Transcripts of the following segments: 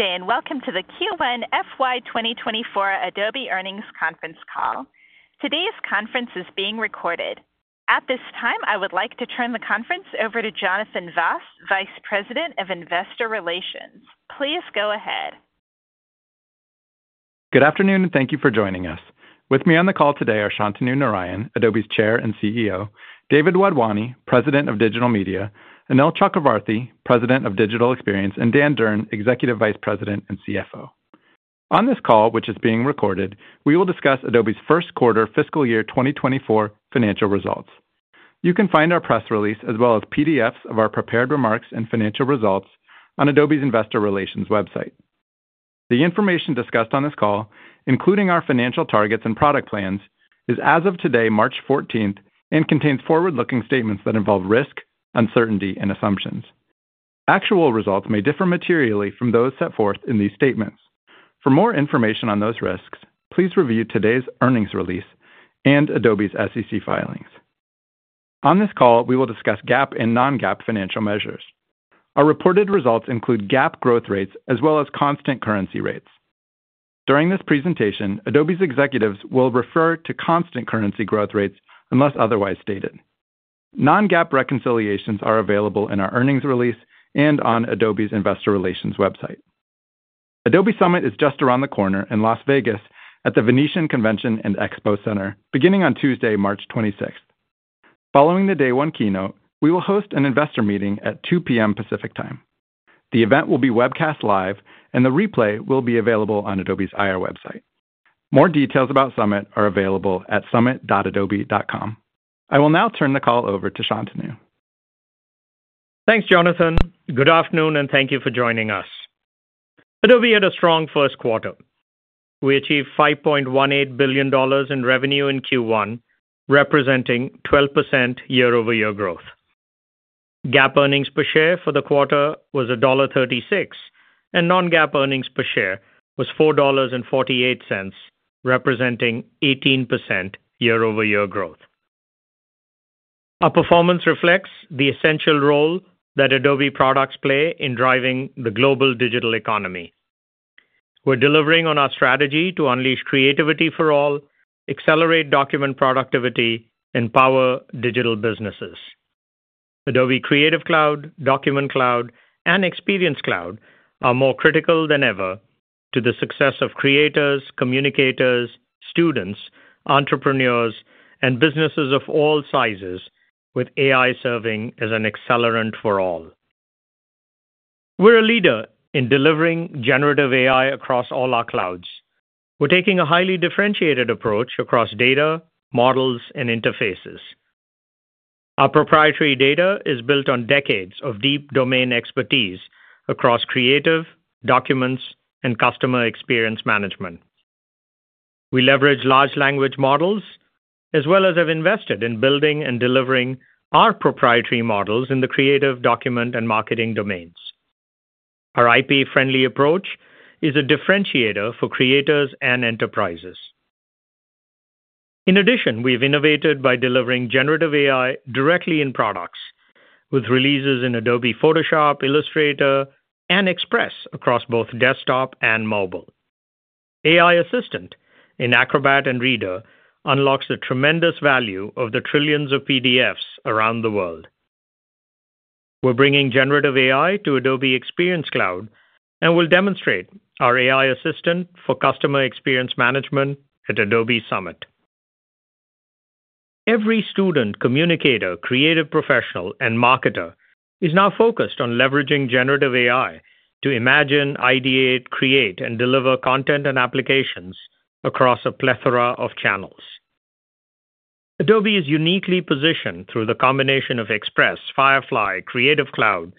Good day, and welcome to the Q1 FY 2024 Adobe Earnings Conference Call. Today's conference is being recorded. At this time, I would like to turn the conference over to Jonathan Vaas, Vice President of Investor Relations. Please go ahead. Good afternoon, and thank you for joining us. With me on the call today are Shantanu Narayen, Adobe's Chair and CEO, David Wadhwani, President of Digital Media, Anil Chakravarthy, President of Digital Experience, and Dan Durn, Executive Vice President and CFO. On this call, which is being recorded, we will discuss Adobe's first quarter fiscal year 2024 financial results. You can find our press release, as well as PDFs of our prepared remarks and financial results, on Adobe's Investor Relations website. The information discussed on this call, including our financial targets and product plans, is as of today, March 14, and contains forward-looking statements that involve risk, uncertainty, and assumptions. Actual results may differ materially from those set forth in these statements. For more information on those risks, please review today's earnings release and Adobe's SEC filings. On this call, we will discuss GAAP and non-GAAP financial measures. Our reported results include GAAP growth rates as well as constant currency rates. During this presentation, Adobe's executives will refer to constant currency growth rates unless otherwise stated. Non-GAAP reconciliations are available in our earnings release and on Adobe's Investor Relations website. Adobe Summit is just around the corner in Las Vegas at the Venetian Convention and Expo Center, beginning on Tuesday, March 26th. Following the day one keynote, we will host an investor meeting at 2:00 P.M. Pacific Time. The event will be webcast live, and the replay will be available on Adobe's IR website. More details about Summit are available at summit.adobe.com. I will now turn the call over to Shantanu. Thanks, Jonathan. Good afternoon, and thank you for joining us. Adobe had a strong first quarter. We achieved $5.18 billion in revenue in Q1, representing 12% year-over-year growth. GAAP earnings per share for the quarter was $1.36, and non-GAAP earnings per share was $4.48, representing 18% year-over-year growth. Our performance reflects the essential role that Adobe products play in driving the global digital economy. We're delivering on our strategy to unleash creativity for all, accelerate document productivity, empower digital businesses. Adobe Creative Cloud, Document Cloud, and Experience Cloud are more critical than ever to the success of creators, communicators, students, entrepreneurs, and businesses of all sizes, with AI serving as an accelerant for all. We're a leader in delivering generative AI across all our clouds. We're taking a highly differentiated approach across data, models, and interfaces. Our proprietary data is built on decades of deep domain expertise across creative, documents, and customer experience management. We leverage large language models, as well as have invested in building and delivering our proprietary models in the creative, document, and marketing domains. Our IP-friendly approach is a differentiator for creators and enterprises. In addition, we've innovated by delivering generative AI directly in products with releases in Adobe Photoshop, Illustrator, and Express across both desktop and mobile. AI Assistant in Acrobat and Reader unlocks the tremendous value of the trillions of PDFs around the world. We're bringing generative AI to Adobe Experience Cloud, and we'll demonstrate our AI Assistant for customer experience management at Adobe Summit. Every student, communicator, creative professional, and marketer is now focused on leveraging generative AI to imagine, ideate, create, and deliver content and applications across a plethora of channels. Adobe is uniquely positioned through the combination of Express, Firefly, Creative Cloud,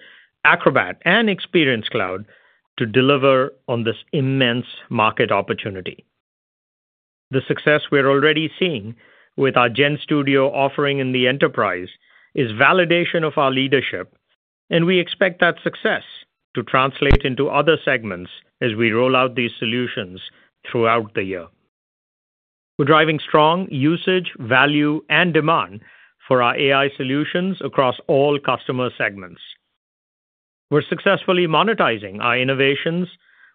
Acrobat, and Experience Cloud to deliver on this immense market opportunity. The success we're already seeing with our GenStudio offering in the enterprise is validation of our leadership, and we expect that success to translate into other segments as we roll out these solutions throughout the year. We're driving strong usage, value, and demand for our AI solutions across all customer segments. We're successfully monetizing our innovations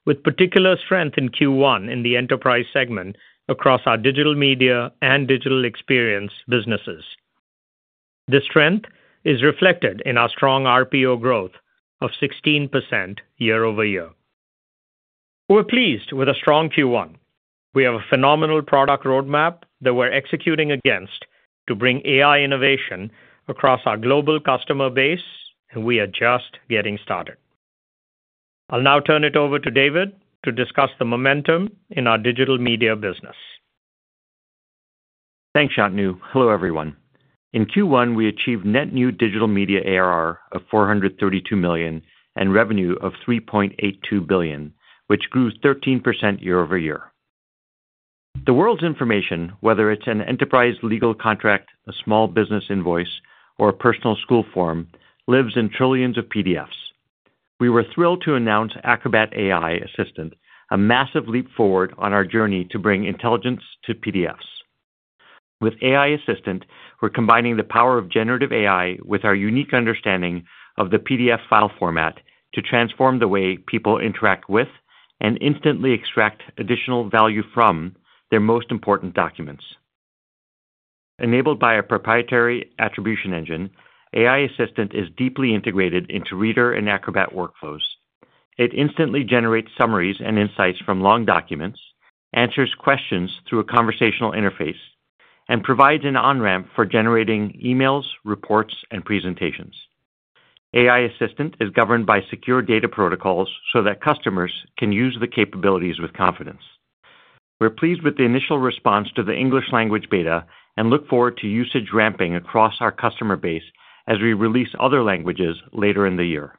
with particular strength in Q1 in the enterprise segment across our digital media and digital experience businesses. This strength is reflected in our strong RPO growth of 16% year-over-year. We're pleased with a strong Q1. We have a phenomenal product roadmap that we're executing against to bring AI innovation across our global customer base, and we are just getting started. I'll now turn it over to David to discuss the momentum in our digital media business. Thanks, Shantanu. Hello, everyone. In Q1, we achieved net new digital media ARR of $432 million, and revenue of $3.82 billion, which grew 13% year-over-year. The world's information, whether it's an enterprise legal contract, a small business invoice, or a personal school form, lives in trillions of PDFs. We were thrilled to announce Acrobat AI Assistant, a massive leap forward on our journey to bring intelligence to PDFs. With AI Assistant, we're combining the power of generative AI with our unique understanding of the PDF file format to transform the way people interact with, and instantly extract additional value from, their most important documents. Enabled by a proprietary attribution engine, AI Assistant is deeply integrated into Reader and Acrobat workflows. It instantly generates summaries and insights from long documents, answers questions through a conversational interface, and provides an on-ramp for generating emails, reports, and presentations. AI Assistant is governed by secure data protocols so that customers can use the capabilities with confidence. We're pleased with the initial response to the English language beta and look forward to usage ramping across our customer base as we release other languages later in the year.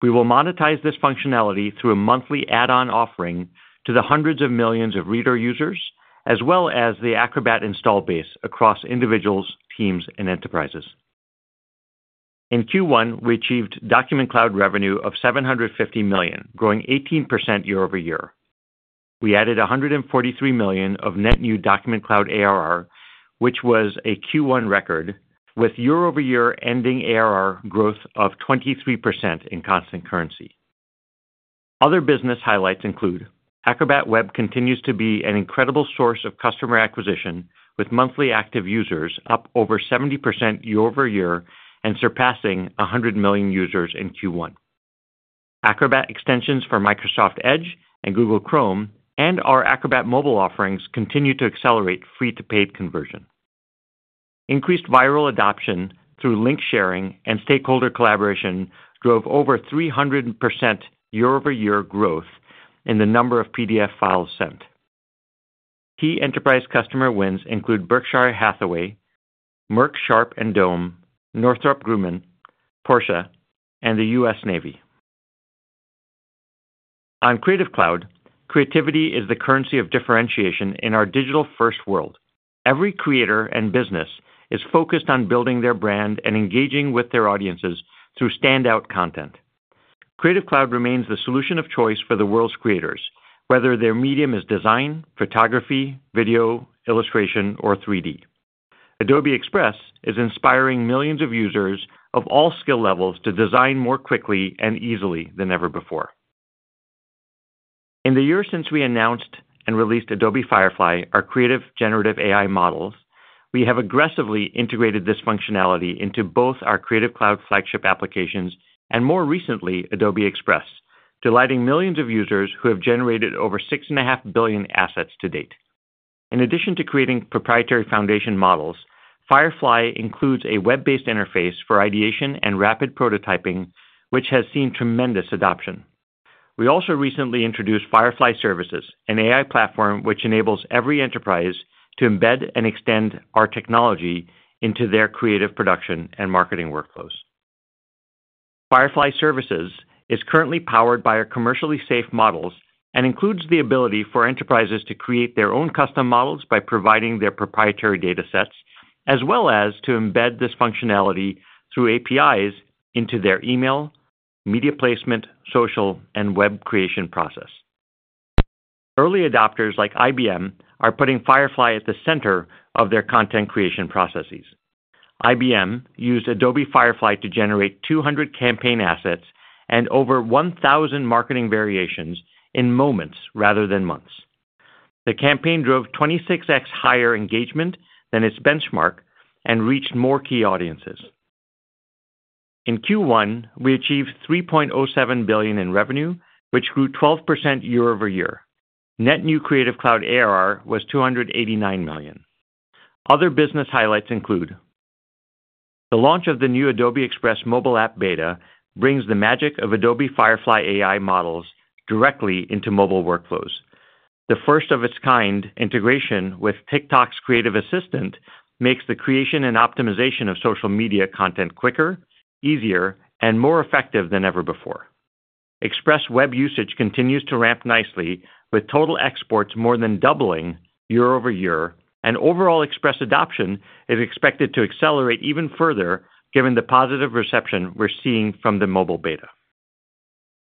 We will monetize this functionality through a monthly add-on offering to the hundreds of millions of Reader users, as well as the Acrobat install base across individuals, teams, and enterprises. In Q1, we achieved Document Cloud revenue of $750 million, growing 18% year-over-year. We added $143 million of net new Document Cloud ARR, which was a Q1 record, with year-over-year ending ARR growth of 23% in constant currency. Other business highlights include Acrobat Web continues to be an incredible source of customer acquisition, with monthly active users up over 70% year-over-year and surpassing 100 million users in Q1. Acrobat extensions for Microsoft Edge and Google Chrome, and our Acrobat Mobile offerings continue to accelerate free-to-paid conversion. Increased viral adoption through link sharing and stakeholder collaboration drove over 300% year-over-year growth in the number of PDF files sent. Key enterprise customer wins include Berkshire Hathaway, Merck Sharp and Dohme, Porsche, and the US Navy. On Creative Cloud, creativity is the currency of differentiation in our digital-first world. Every creator and business is focused on building their brand and engaging with their audiences through standout content. Creative Cloud remains the solution of choice for the world's creators, whether their medium is design, photography, video, illustration, or 3D. Adobe Express is inspiring millions of users of all skill levels to design more quickly and easily than ever before. In the year since we announced and released Adobe Firefly, our creative generative AI models, we have aggressively integrated this functionality into both our Creative Cloud flagship applications and more recently, Adobe Express, delighting millions of users who have generated over 6.5 billion assets to date. In addition to creating proprietary foundation models, Firefly includes a web-based interface for ideation and rapid prototyping, which has seen tremendous adoption. We also recently introduced Firefly Services, an AI platform which enables every enterprise to embed and extend our technology into their creative production and marketing workflows. Firefly Services is currently powered by our commercially safe models and includes the ability for enterprises to create their own custom models by providing their proprietary data sets, as well as to embed this functionality through APIs into their email, media placement, social, and web creation process. Early adopters like IBM are putting Firefly at the center of their content creation processes. IBM used Adobe Firefly to generate 200 campaign assets and over 1,000 marketing variations in moments rather than months. The campaign drove 26x higher engagement than its benchmark and reached more key audiences. In Q1, we achieved $3.07 billion in revenue, which grew 12% year-over-year. Net new Creative Cloud ARR was $289 million. Other business highlights include the launch of the new Adobe Express mobile app beta brings the magic of Adobe Firefly AI models directly into mobile workflows. The first of its kind integration with TikTok's Creative Assistant makes the creation and optimization of social media content quicker, easier, and more effective than ever before. Express web usage continues to ramp nicely, with total exports more than doubling year-over-year, and overall Express adoption is expected to accelerate even further, given the positive reception we're seeing from the mobile beta.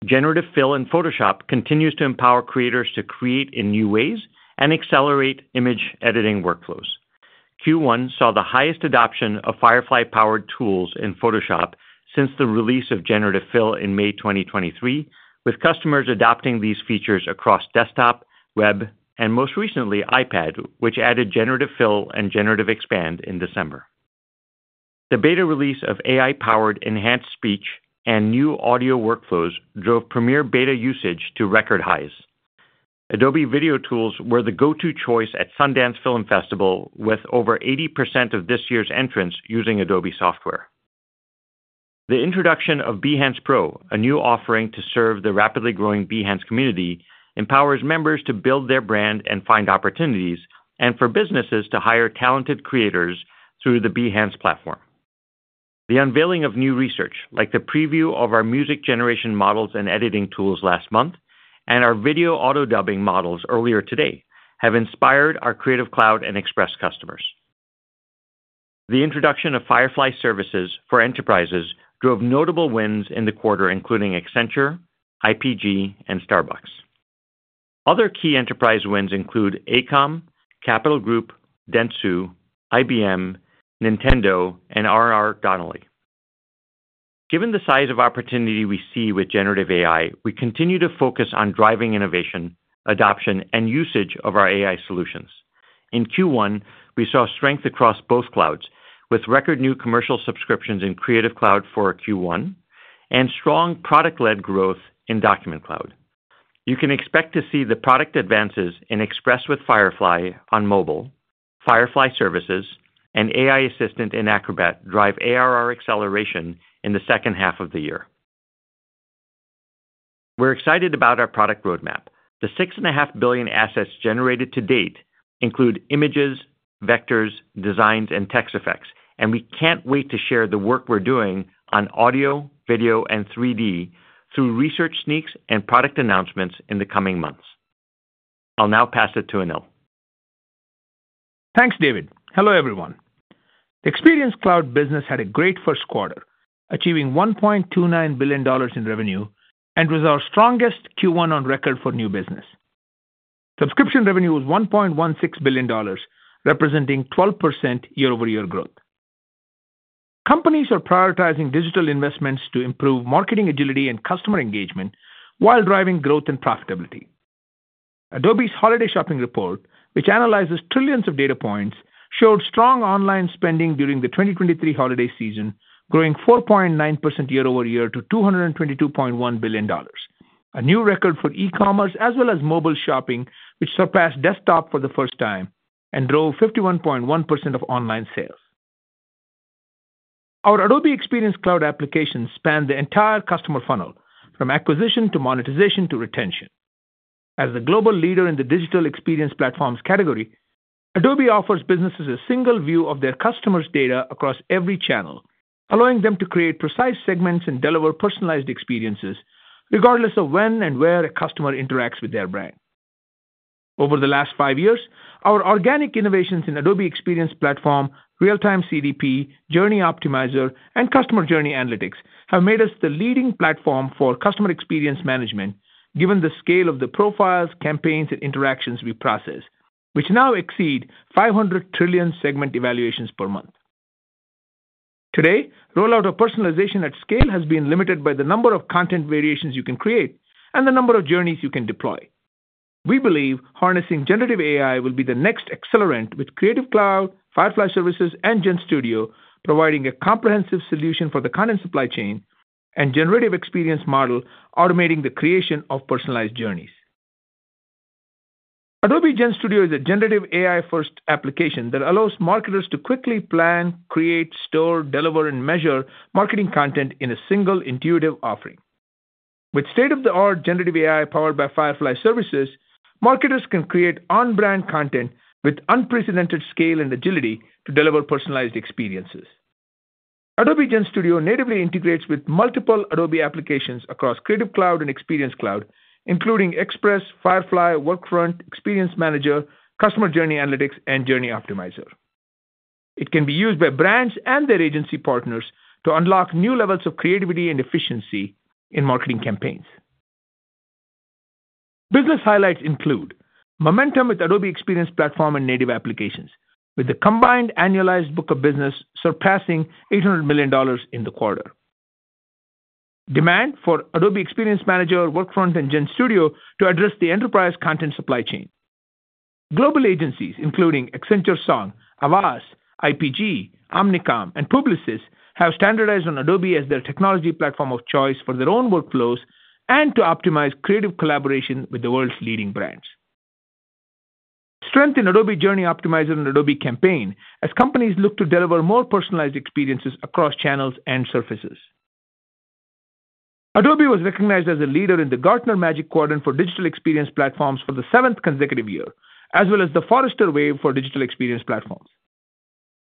Generative Fill in Photoshop continues to empower creators to create in new ways and accelerate image editing workflows. Q1 saw the highest adoption of Firefly-powered tools in Photoshop since the release of Generative Fill in May 2023, with customers adopting these features across desktop, web, and most recently, iPad, which added Generative Fill and Generative Expand in December. The beta release of AI-powered enhanced speech and new audio workflows drove Premiere beta usage to record highs. Adobe video tools were the go-to choice at Sundance Film Festival, with over 80% of this year's entrants using Adobe software. The introduction of Behance Pro, a new offering to serve the rapidly growing Behance community, empowers members to build their brand and find opportunities, and for businesses to hire talented creators through the Behance platform. The unveiling of new research, like the preview of our music generation models and editing tools last month, and our video auto-dubbing models earlier today, have inspired our Creative Cloud and Express customers. The introduction of Firefly Services for enterprises drove notable wins in the quarter, including Accenture, IPG, and Starbucks. Other key enterprise wins include AECOM, Capital Group, Dentsu, IBM, Nintendo, and R.R. Donnelley. Given the size of opportunity we see with generative AI, we continue to focus on driving innovation, adoption, and usage of our AI solutions. In Q1, we saw strength across both clouds, with record new commercial subscriptions in Creative Cloud for Q1, and strong product-led growth in Document Cloud. You can expect to see the product advances in Express with Firefly on mobile, Firefly Services, and AI Assistant in Acrobat drive ARR acceleration in the second half of the year. We're excited about our product roadmap. The 6.5 billion assets generated to date include images, vectors, designs, and text effects, and we can't wait to share the work we're doing on audio, video, and 3D through research sneaks and product announcements in the coming months. I'll now pass it to Anil. Thanks, David. Hello, everyone. Experience Cloud business had a great first quarter, achieving $1.29 billion in revenue, and was our strongest Q1 on record for new business. Subscription revenue was $1.16 billion, representing 12% year-over-year growth. Companies are prioritizing digital investments to improve marketing agility and customer engagement while driving growth and profitability. Adobe's holiday shopping report, which analyzes trillions of data points, showed strong online spending during the 2023 holiday season, growing 4.9% year-over-year to $222.1 billion. A new record for e-commerce as well as mobile shopping, which surpassed desktop for the first time and drove 51.1% of online sales. Our Adobe Experience Cloud applications span the entire customer funnel, from acquisition to monetization to retention. As a global leader in the digital experience platforms category, Adobe offers businesses a single view of their customers' data across every channel, allowing them to create precise segments and deliver personalized experiences, regardless of when and where a customer interacts with their brand. Over the last five years, our organic innovations in Adobe Experience Platform, Real-Time CDP, Journey Optimizer, and Customer Journey Analytics have made us the leading platform for customer experience management, given the scale of the profiles, campaigns, and interactions we process, which now exceed 500 trillion segment evaluations per month. Today, rollout of personalization at scale has been limited by the number of content variations you can create and the number of journeys you can deploy. We believe harnessing generative AI will be the next accelerant, with Creative Cloud, Firefly Services, and GenStudio providing a comprehensive solution for the content supply chain and Generative Experience Model, automating the creation of personalized journeys. Adobe GenStudio is a generative AI-first application that allows marketers to quickly plan, create, store, deliver, and measure marketing content in a single intuitive offering. With state-of-the-art generative AI powered by Firefly Services, marketers can create on-brand content with unprecedented scale and agility to deliver personalized experiences. Adobe GenStudio natively integrates with multiple Adobe applications across Creative Cloud and Experience Cloud, including Express, Firefly, Workfront, Experience Manager, Customer Journey Analytics, and Journey Optimizer. It can be used by brands and their agency partners to unlock new levels of creativity and efficiency in marketing campaigns. Business highlights include: momentum with Adobe Experience Platform and native applications, with the combined annualized book of business surpassing $800 million in the quarter. Demand for Adobe Experience Manager, Workfront, and GenStudio to address the enterprise content supply chain. Global agencies, including Accenture Song, Havas, IPG, Omnicom, and Publicis, have standardized on Adobe as their technology platform of choice for their own workflows and to optimize creative collaboration with the world's leading brands. Strength in Adobe Journey Optimizer and Adobe Campaign as companies look to deliver more personalized experiences across channels and surfaces. Adobe was recognized as a leader in the Gartner Magic Quadrant for Digital Experience Platforms for the seventh consecutive year, as well as the Forrester Wave for Digital Experience Platforms.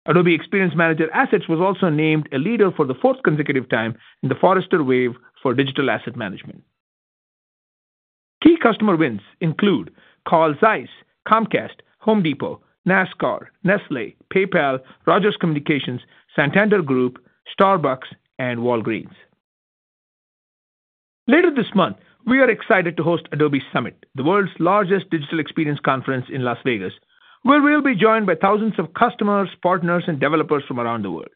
Adobe Experience Manager Assets was also named a leader for the fourth consecutive time in the Forrester Wave for Digital Asset Management. Key customer wins include Carl Zeiss, Comcast, Home Depot, NASCAR, Nestlé, PayPal, Rogers Communications, Santander Group, Starbucks, and Walgreens. Later this month, we are excited to host Adobe Summit, the world's largest digital experience conference in Las Vegas, where we'll be joined by thousands of customers, partners, and developers from around the world.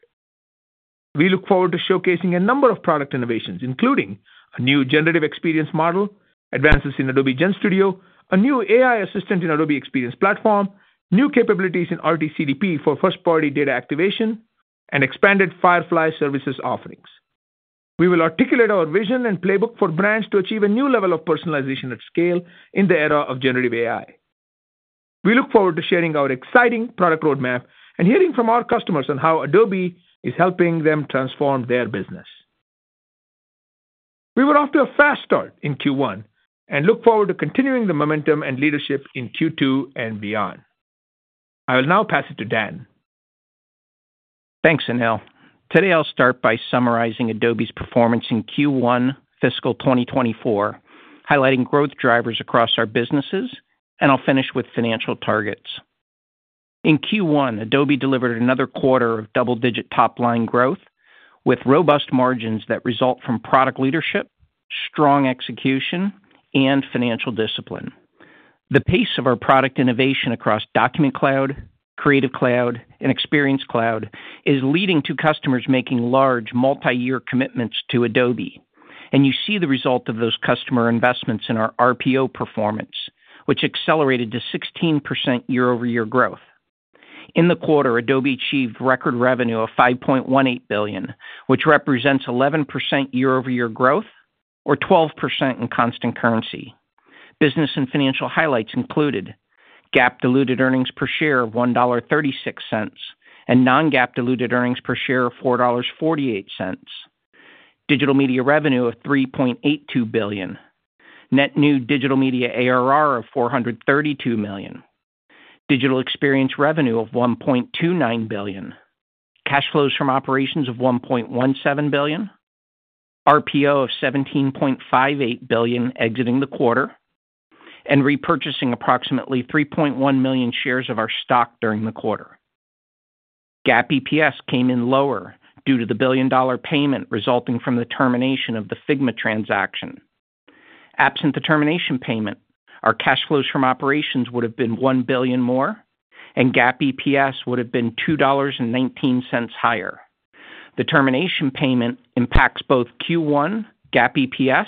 We look forward to showcasing a number of product innovations, including a new Generative Experience Model, advances in Adobe GenStudio, a new AI Assistant in Adobe Experience Platform, new capabilities in RT-CDP for first-party data activation, and expanded Firefly Services offerings. We will articulate our vision and playbook for brands to achieve a new level of personalization at scale in the era of generative AI. We look forward to sharing our exciting product roadmap and hearing from our customers on how Adobe is helping them transform their business. We were off to a fast start in Q1 and look forward to continuing the momentum and leadership in Q2 and beyond. I will now pass it to Dan. Thanks, Anil. Today, I'll start by summarizing Adobe's performance in Q1 fiscal 2024 highlighting growth drivers across our businesses, and I'll finish with financial targets. In Q1, Adobe delivered another quarter of double-digit top-line growth, with robust margins that result from product leadership, strong execution, and financial discipline. The pace of our product innovation across Document Cloud, Creative Cloud, and Experience Cloud is leading to customers making large multi-year commitments to Adobe, and you see the result of those customer investments in our RPO performance, which accelerated to 16% year-over-year growth. In the quarter, Adobe achieved record revenue of $5.18 billion, which represents 11% year-over-year growth, or 12% in constant currency. Business and financial highlights included GAAP diluted earnings per share of $1.36, and non-GAAP diluted earnings per share of $4.48. Digital Media revenue of $3.82 billion. Net new Digital Media ARR of $432 million. Digital Experience revenue of $1.29 billion. Cash flows from operations of $1.17 billion. RPO of $17.58 billion exiting the quarter, and repurchasing approximately 3.1 million shares of our stock during the quarter. GAAP EPS came in lower due to the billion-dollar payment resulting from the termination of the Figma transaction. Absent the termination payment, our cash flows from operations would have been $1 billion more, and GAAP EPS would have been $2.19 higher. The termination payment impacts both Q1 GAAP EPS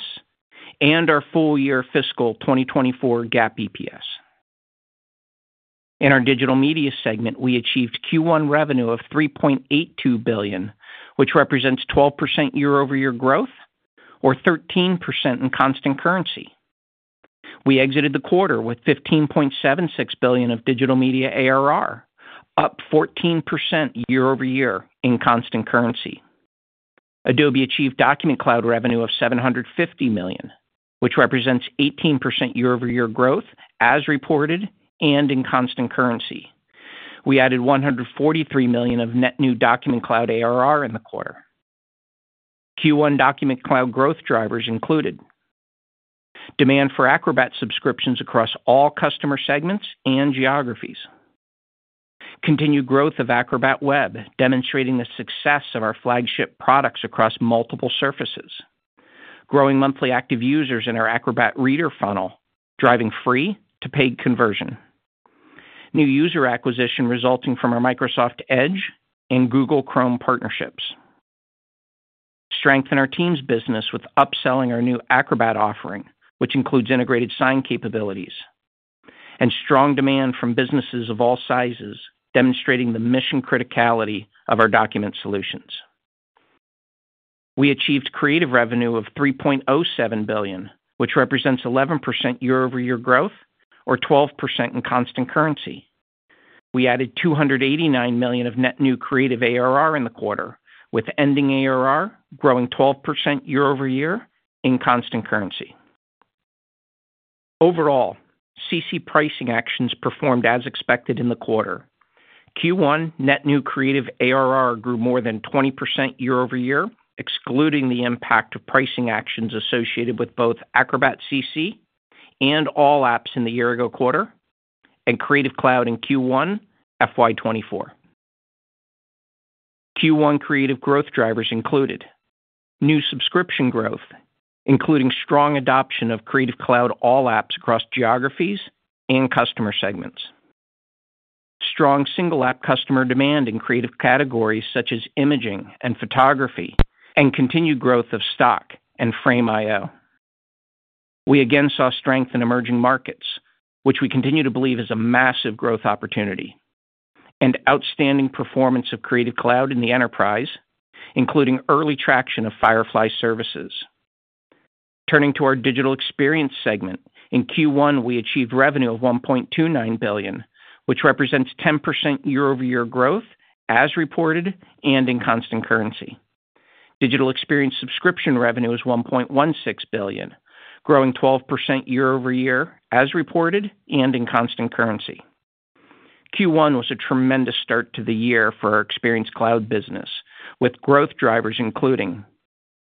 and our full year fiscal 2024 GAAP EPS. In our Digital Media segment, we achieved Q1 revenue of $3.82 billion, which represents 12% year-over-year growth or 13% in constant currency. We exited the quarter with $15.76 billion of Digital Media ARR, up 14% year-over-year in constant currency. Adobe achieved Document Cloud revenue of $750 million, which represents 18% year-over-year growth as reported and in constant currency. We added $143 million of net new Document Cloud ARR in the quarter. Q1 Document Cloud growth drivers included: demand for Acrobat subscriptions across all customer segments and geographies, continued growth of Acrobat Web, demonstrating the success of our flagship products across multiple surfaces, growing monthly active users in our Acrobat Reader funnel, driving free to paid conversion, new user acquisition resulting from our Microsoft Edge and Google Chrome partnerships, strength in our teams business with upselling our new Acrobat offering, which includes integrated sign capabilities, and strong demand from businesses of all sizes, demonstrating the mission criticality of our document solutions. We achieved creative revenue of $3.07 billion, which represents 11% year-over-year growth or 12% in constant currency. We added $289 million of net new creative ARR in the quarter, with ending ARR growing 12% year-over-year in constant currency. Overall, CC pricing actions performed as expected in the quarter. Q1 net new creative ARR grew more than 20% year-over-year, excluding the impact of pricing actions associated with both Acrobat CC and All Apps in the year ago quarter and Creative Cloud in Q1 FY 2024. Q1 creative growth drivers included new subscription growth, including strong adoption of Creative Cloud All Apps across geographies and customer segments, strong single app customer demand in creative categories such as imaging and photography, and continued growth of Stock and Frame.io. We again saw strength in emerging markets, which we continue to believe is a massive growth opportunity, and outstanding performance of Creative Cloud in the enterprise, including early traction of Firefly Services. Turning to our Digital Experience segment, in Q1, we achieved revenue of $1.29 billion, which represents 10% year-over-year growth as reported and in constant currency. Digital Experience subscription revenue is $1.16 billion, growing 12% year-over-year as reported and in constant currency. Q1 was a tremendous start to the year for our Experience Cloud business, with growth drivers including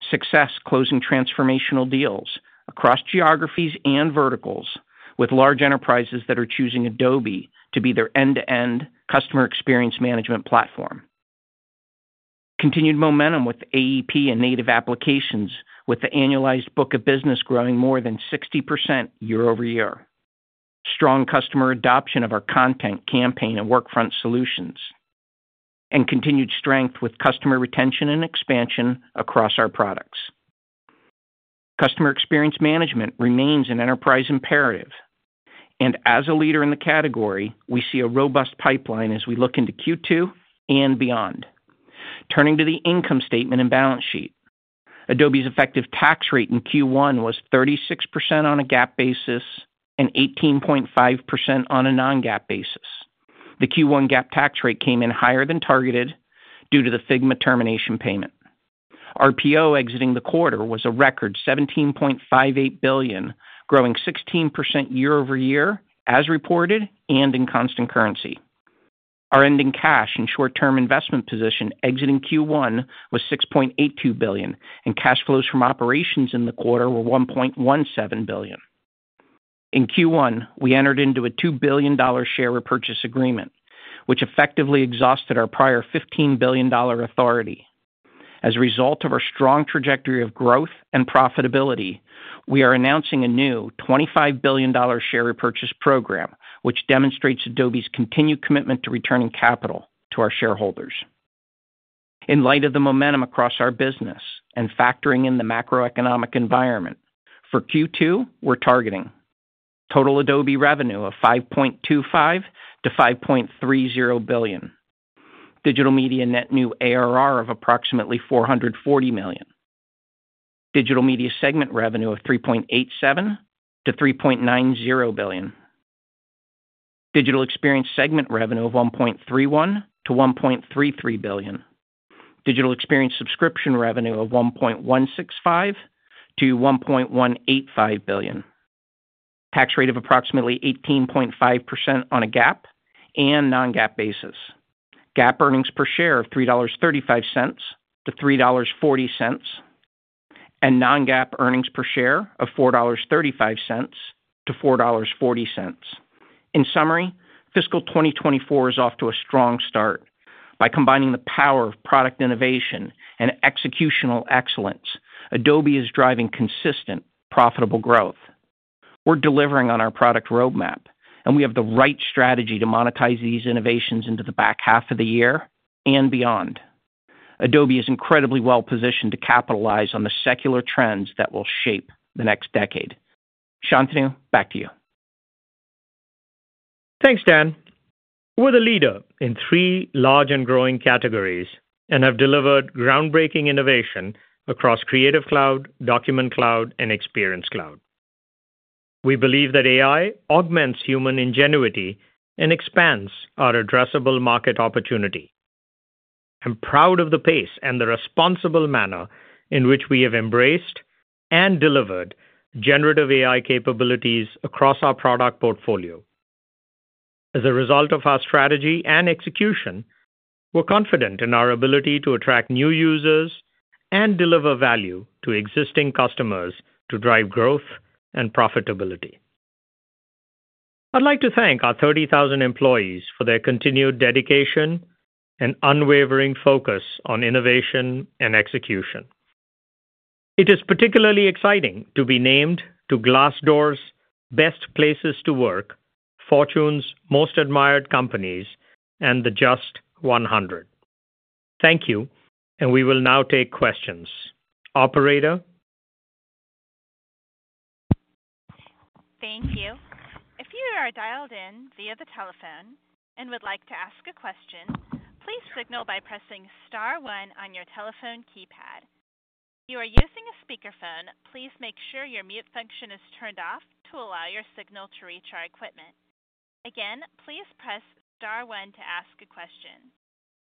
success closing transformational deals across geographies and verticals with large enterprises that are choosing Adobe to be their end-to-end customer experience management platform. Continued momentum with AEP and native applications, with the annualized book of business growing more than 60% year-over-year. Strong customer adoption of our content, Campaign, and Workfront solutions, and continued strength with customer retention and expansion across our products. Customer experience management remains an enterprise imperative, and as a leader in the category, we see a robust pipeline as we look into Q2 and beyond. Turning to the income statement and balance sheet. Adobe's effective tax rate in Q1 was 36% on a GAAP basis and 18.5% on a non-GAAP basis. The Q1 GAAP tax rate came in higher than targeted due to the Figma termination payment. RPO exiting the quarter was a record $17.58 billion, growing 16% year-over-year as reported and in constant currency.... Our ending cash and short-term investment position exiting Q1 was $6.82 billion, and cash flows from operations in the quarter were $1.17 billion. In Q1, we entered into a $2 billion share repurchase agreement, which effectively exhausted our prior $15 billion authority. As a result of our strong trajectory of growth and profitability, we are announcing a new $25 billion share repurchase program, which demonstrates Adobe's continued commitment to returning capital to our shareholders. In light of the momentum across our business and factoring in the macroeconomic environment, for Q2, we're targeting total Adobe revenue of $5.25 billion-$5.30 billion, Digital Media net new ARR of approximately $440 million. Digital Media segment revenue of $3.87 billion-$3.90 billion. Digital Experience segment revenue of $1.31 billion-$1.33 billion. Digital Experience subscription revenue of $1.165 billion-$1.185 billion. Tax rate of approximately 18.5% on a GAAP and non-GAAP basis. GAAP earnings per share of $3.35-$3.40, and non-GAAP earnings per share of $4.35-$4.40. In summary, fiscal 2024 is off to a strong start. By combining the power of product innovation and executional excellence, Adobe is driving consistent, profitable growth. We're delivering on our product roadmap, and we have the right strategy to monetize these innovations into the back half of the year and beyond. Adobe is incredibly well-positioned to capitalize on the secular trends that will shape the next decade. Shantanu, back to you. Thanks, Dan. We're the leader in three large and growing categories and have delivered groundbreaking innovation across Creative Cloud, Document Cloud, and Experience Cloud. We believe that AI augments human ingenuity and expands our addressable market opportunity. I'm proud of the pace and the responsible manner in which we have embraced and delivered generative AI capabilities across our product portfolio. As a result of our strategy and execution, we're confident in our ability to attract new users and deliver value to existing customers to drive growth and profitability. I'd like to thank our 30,000 employees for their continued dedication and unwavering focus on innovation and execution. It is particularly exciting to be named to Glassdoor's Best Places to Work, Fortune's Most Admired Companies, and the JUST 100. Thank you, and we will now take questions. Operator? Thank you. If you are dialed in via the telephone and would like to ask a question, please signal by pressing star one on your telephone keypad. If you are using a speakerphone, please make sure your mute function is turned off to allow your signal to reach our equipment. Again, please press star one to ask a question.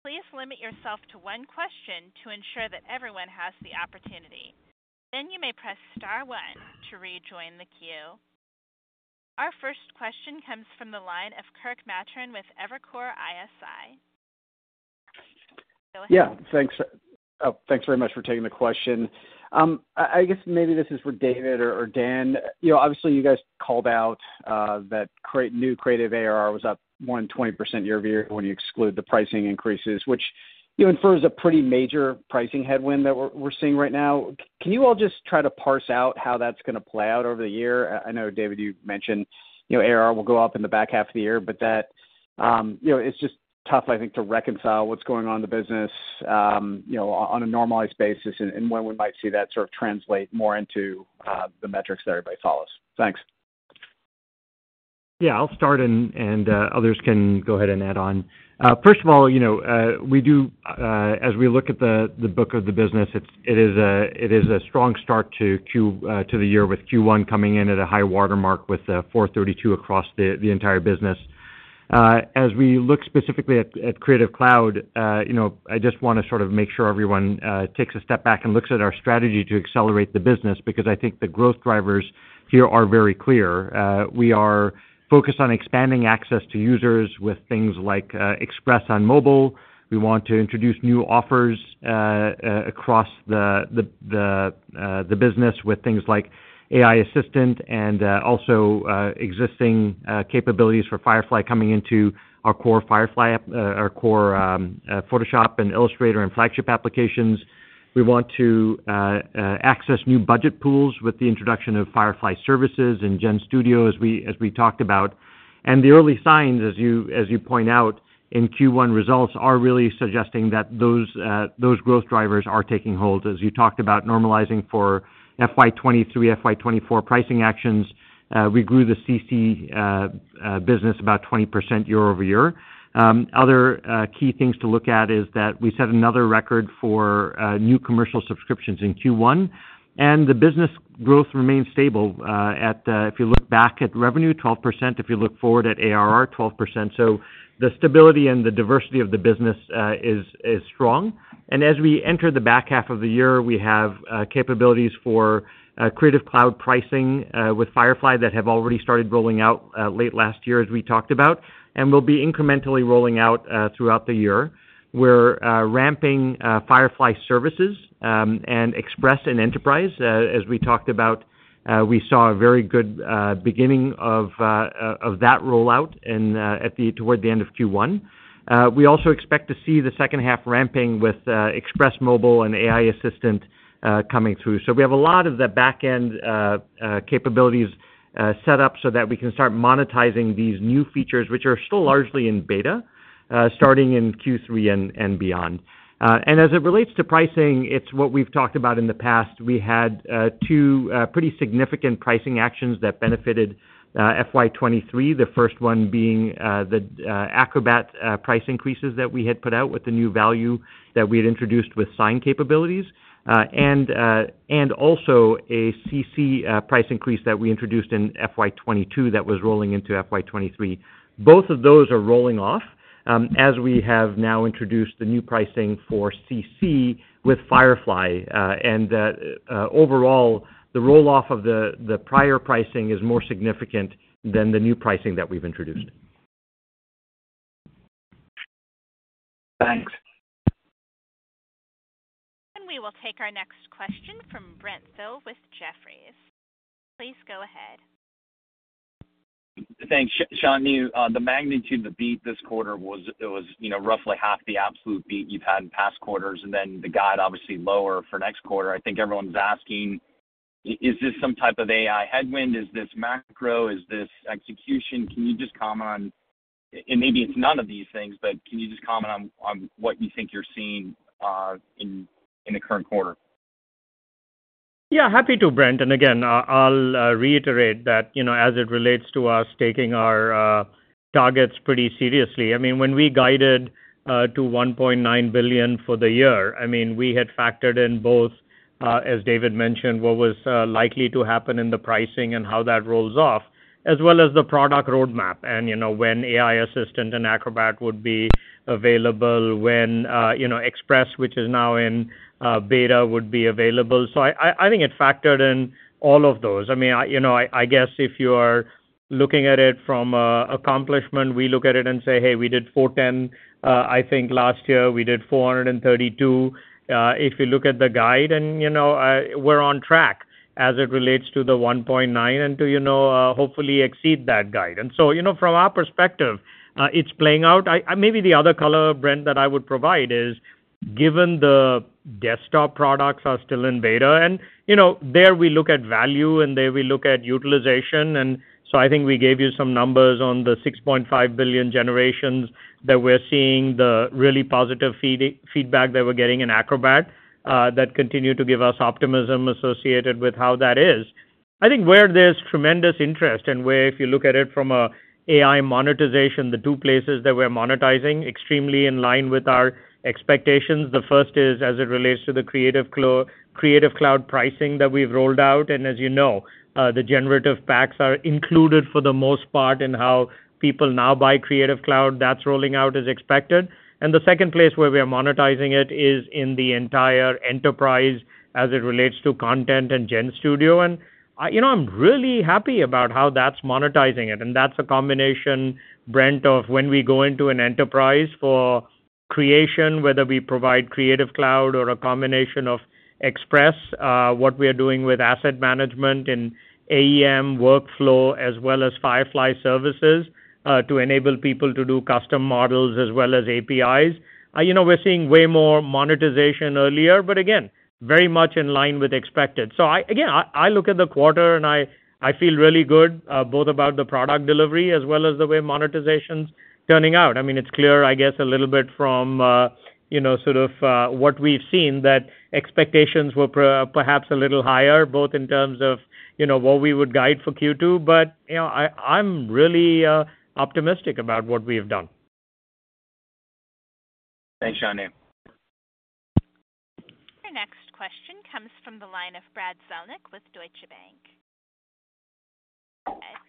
Please limit yourself to one question to ensure that everyone has the opportunity. Then you may press star one to rejoin the queue. Our first question comes from the line of Kirk Materne with Evercore ISI. Go ahead. Yeah, thanks. Thanks very much for taking the question. I guess maybe this is for David or Dan. You know, obviously, you guys called out that new Creative ARR was up more than 20% year-over-year when you exclude the pricing increases, which, you know, infers a pretty major pricing headwind that we're seeing right now. Can you all just try to parse out how that's gonna play out over the year? I know, David, you mentioned, you know, ARR will go up in the back half of the year, but that, you know, it's just tough, I think, to reconcile what's going on in the business, you know, on a normalized basis and when we might see that sort of translate more into the metrics that everybody follows. Thanks. Yeah, I'll start, and, others can go ahead and add on. First of all, you know, we do, as we look at the book of the business, it is a strong start to Q- to the year, with Q1 coming in at a high watermark with $432 across the entire business. As we look specifically at Creative Cloud, you know, I just wanna sort of make sure everyone takes a step back and looks at our strategy to accelerate the business, because I think the growth drivers here are very clear. We are focused on expanding access to users with things like Express on Mobile. We want to introduce new offers across the business with things like AI Assistant and also existing capabilities for Firefly coming into our core Photoshop and Illustrator and flagship applications. We want to access new budget pools with the introduction of Firefly Services and GenStudio, as we talked about. And the early signs, as you point out in Q1 results, are really suggesting that those growth drivers are taking hold. As you talked about normalizing for FY 2023, FY 2024 pricing actions, we grew the CC business about 20% year-over-year. Other key things to look at is that we set another record for new commercial subscriptions in Q1, and the business growth remains stable at, if you look back at revenue, 12%, if you look forward at ARR, 12%. So the stability and the diversity of the business is strong. And as we enter the back half of the year, we have capabilities for Creative Cloud pricing with Firefly that have already started rolling out late last year, as we talked about, and will be incrementally rolling out throughout the year. We're ramping Firefly Services and Express and Enterprise as we talked about. We saw a very good beginning of that rollout in at the-- toward the end of Q1. We also expect to see the second half ramping with Express Mobile and AI Assistant coming through. So we have a lot of the back-end capabilities set up so that we can start monetizing these new features, which are still largely in beta starting in Q3 and beyond. And as it relates to pricing, it's what we've talked about in the past. We had two pretty significant pricing actions that benefited FY 2023, the first one being the Acrobat price increases that we had put out with the new value that we had introduced with sign capabilities. And also a CC price increase that we introduced in FY 2022 that was rolling into FY 2023. Both of those are rolling off, as we have now introduced the new pricing for CC with Firefly, and that overall, the roll-off of the prior pricing is more significant than the new pricing that we've introduced. Thanks. We will take our next question from Brent Thill with Jefferies. Please go ahead. Thanks. Shantanu, the magnitude of the beat this quarter was, it was, you know, roughly half the absolute beat you've had in past quarters, and then the guide, obviously, lower for next quarter. I think everyone's asking, is this some type of AI headwind? Is this macro? Is this execution? Can you just comment on... And maybe it's none of these things, but can you just comment on, on what you think you're seeing, in, in the current quarter? Yeah, happy to, Brent. And again, I'll reiterate that, you know, as it relates to us taking our targets pretty seriously. I mean, when we guided to $1.9 billion for the year, I mean, we had factored in both, as David mentioned, what was likely to happen in the pricing and how that rolls off, as well as the product roadmap and, you know, when AI Assistant and Acrobat would be available, when, you know, Express, which is now in beta, would be available. So I think it factored in all of those. I mean, you know, I guess if you are looking at it from an accomplishment, we look at it and say, "Hey, we did 410. I think last year we did 432. If you look at the guide and, you know, we're on track as it relates to the 1.9 and to, you know, hopefully exceed that guide. And so, you know, from our perspective, it's playing out. I maybe the other color, Brent, that I would provide is, given the desktop products are still in beta, and, you know, there we look at value, and there we look at utilization. And so I think we gave you some numbers on the 6.5 billion generations, that we're seeing the really positive feedback that we're getting in Acrobat, that continue to give us optimism associated with how that is. I think where there's tremendous interest and where if you look at it from a AI monetization, the two places that we're monetizing, extremely in line with our expectations. The first is as it relates to the Creative Cloud pricing that we've rolled out, and as you know, the generative packs are included for the most part in how people now buy Creative Cloud. That's rolling out as expected. And the second place where we are monetizing it is in the entire enterprise as it relates to content and GenStudio. You know, I'm really happy about how that's monetizing, and that's a combination, Brent, of when we go into an enterprise for creation, whether we provide Creative Cloud or a combination of Express, what we are doing with asset management and AEM workflow, as well as Firefly Services, to enable people to do custom models as well as APIs. You know, we're seeing way more monetization earlier, but again, very much in line with expected. So I, again, I, I look at the quarter, and I, I feel really good, both about the product delivery as well as the way monetization's turning out. I mean, it's clear, I guess, a little bit from, you know, sort of, what we've seen, that expectations were perhaps a little higher, both in terms of, you know, what we would guide for Q2, but, you know, I, I'm really, optimistic about what we've done. Thanks, Shantanu. Our next question comes from the line of Brad Zelnick with Deutsche Bank.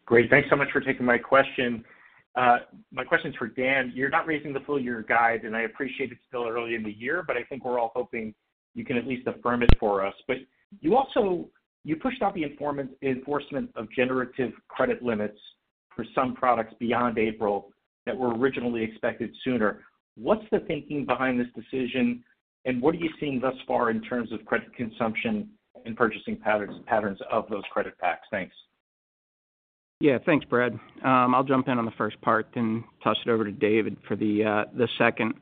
Great. Thanks so much for taking my question. My question is for Dan. You're not raising the full year guide, and I appreciate it's still early in the year, but I think we're all hoping you can at least affirm it for us. But you also, you pushed out the enforcement of generative credit limits for some products beyond April that were originally expected sooner. What's the thinking behind this decision, and what are you seeing thus far in terms of credit consumption and purchasing patterns, patterns of those credit packs? Thanks. Yeah, thanks, Brad. I'll jump in on the first part, then toss it over to David for the second.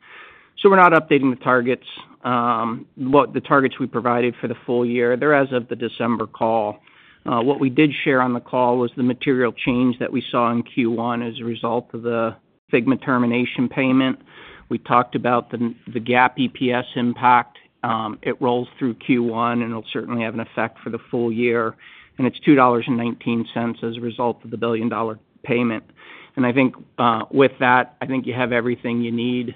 So we're not updating the targets. The targets we provided for the full year, they're as of the December call. What we did share on the call was the material change that we saw in Q1 as a result of the Figma termination payment. We talked about the GAAP EPS impact. It rolls through Q1, and it'll certainly have an effect for the full year, and it's $2.19 as a result of the billion-dollar payment. And I think, with that, I think you have everything you need,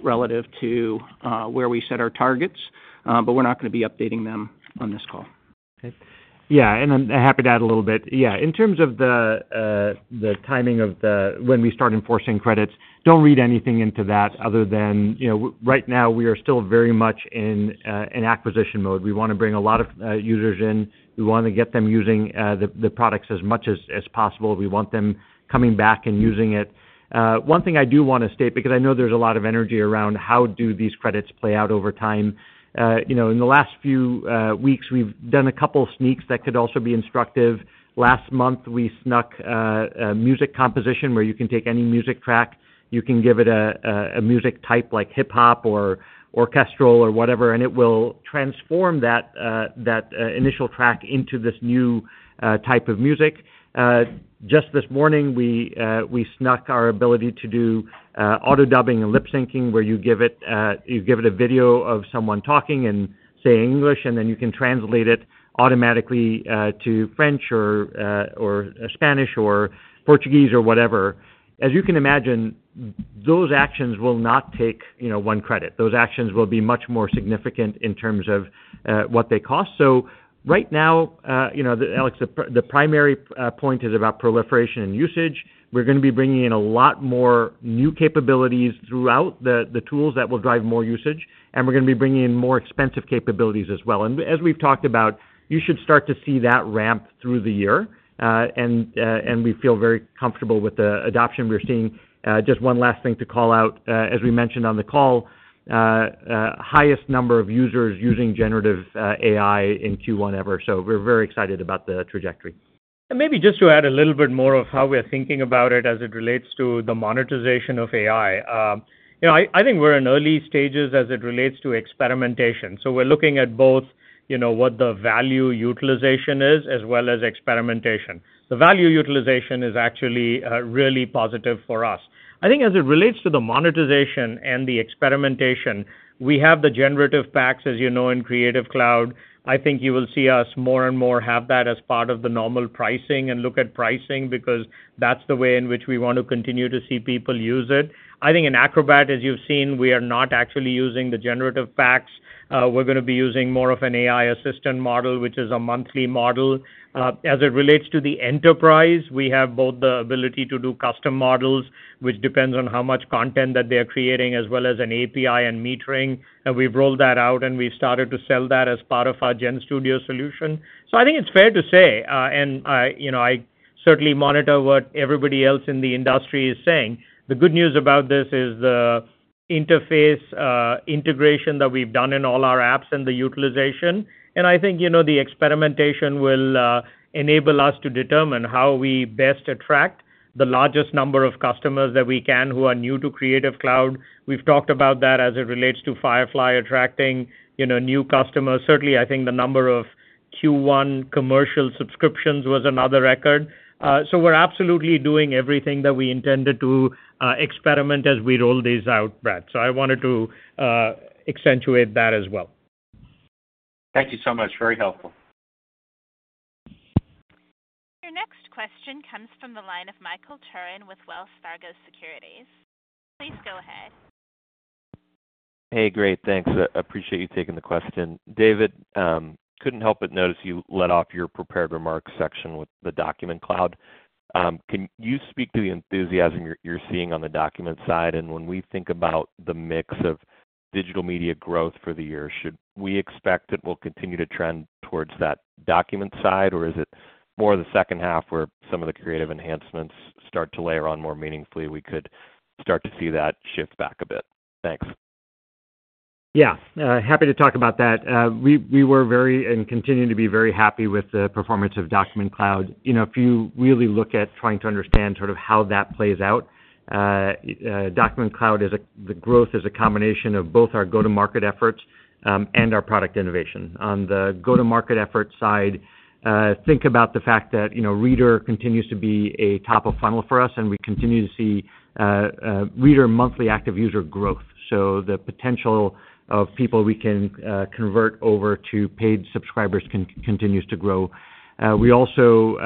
relative to where we set our targets, but we're not gonna be updating them on this call. Yeah, and I'm happy to add a little bit. Yeah, in terms of the, the timing of the, when we start enforcing credits, don't read anything into that other than, you know, right now, we are still very much in, an acquisition mode. We wanna bring a lot of, users in. We wanna get them using, the, the products as much as, as possible. We want them coming back and using it. One thing I do wanna state, because I know there's a lot of energy around how do these credits play out over time?... you know, in the last few, weeks, we've done a couple sneaks that could also be instructive. Last month, we snuck a music composition where you can take any music track, you can give it a music type like hip-hop or orchestral or whatever, and it will transform that initial track into this new type of music. Just this morning, we snuck our ability to do auto-dubbing and lip-syncing, where you give it a video of someone talking and saying English, and then you can translate it automatically to French or Spanish or Portuguese or whatever. As you can imagine, those actions will not take, you know, one credit. Those actions will be much more significant in terms of what they cost. So right now, you know, Alex, the primary point is about proliferation and usage. We're gonna be bringing in a lot more new capabilities throughout the tools that will drive more usage, and we're gonna be bringing in more expensive capabilities as well. As we've talked about, you should start to see that ramp through the year, and we feel very comfortable with the adoption we're seeing. Just one last thing to call out, as we mentioned on the call, highest number of users using generative AI in Q1 ever, so we're very excited about the trajectory. And maybe just to add a little bit more of how we're thinking about it as it relates to the monetization of AI. You know, I think we're in early stages as it relates to experimentation, so we're looking at both, you know, what the value utilization is as well as experimentation. The value utilization is actually really positive for us. I think as it relates to the monetization and the experimentation, we have the generative AI features, as you know, in Creative Cloud. I think you will see us more and more have that as part of the normal pricing, and look at pricing because that's the way in which we want to continue to see people use it. I think in Acrobat, as you've seen, we are not actually using the generative AI features. We're gonna be using more of an AI Assistant model, which is a monthly model. As it relates to the enterprise, we have both the ability to do custom models, which depends on how much content that they're creating, as well as an API and metering. And we've rolled that out, and we've started to sell that as part of our GenStudio solution. So I think it's fair to say, and, you know, I certainly monitor what everybody else in the industry is saying. The good news about this is the interface, integration that we've done in all our apps and the utilization. And I think, you know, the experimentation will, enable us to determine how we best attract the largest number of customers that we can, who are new to Creative Cloud. We've talked about that as it relates to Firefly, attracting, you know, new customers. Certainly, I think the number of Q1 commercial subscriptions was another record. So we're absolutely doing everything that we intended to experiment as we roll these out, Brad. So I wanted to accentuate that as well. Thank you so much. Very helpful. Your next question comes from the line of Michael Turrin with Wells Fargo Securities. Please go ahead. Hey, great. Thanks. Appreciate you taking the question. David, couldn't help but notice you led off your prepared remarks section with the Document Cloud. Can you speak to the enthusiasm you're, you're seeing on the document side? And when we think about the mix of digital media growth for the year, should we expect it will continue to trend towards that document side, or is it more the second half where some of the creative enhancements start to layer on more meaningfully, we could start to see that shift back a bit? Thanks. Yeah, happy to talk about that. We were very and continue to be very happy with the performance of Document Cloud. You know, if you really look at trying to understand sort of how that plays out, Document Cloud, the growth is a combination of both our go-to-market efforts and our product innovation. On the go-to-market effort side, think about the fact that, you know, Reader continues to be a top of funnel for us, and we continue to see Reader monthly active user growth. So the potential of people we can convert over to paid subscribers continues to grow. We also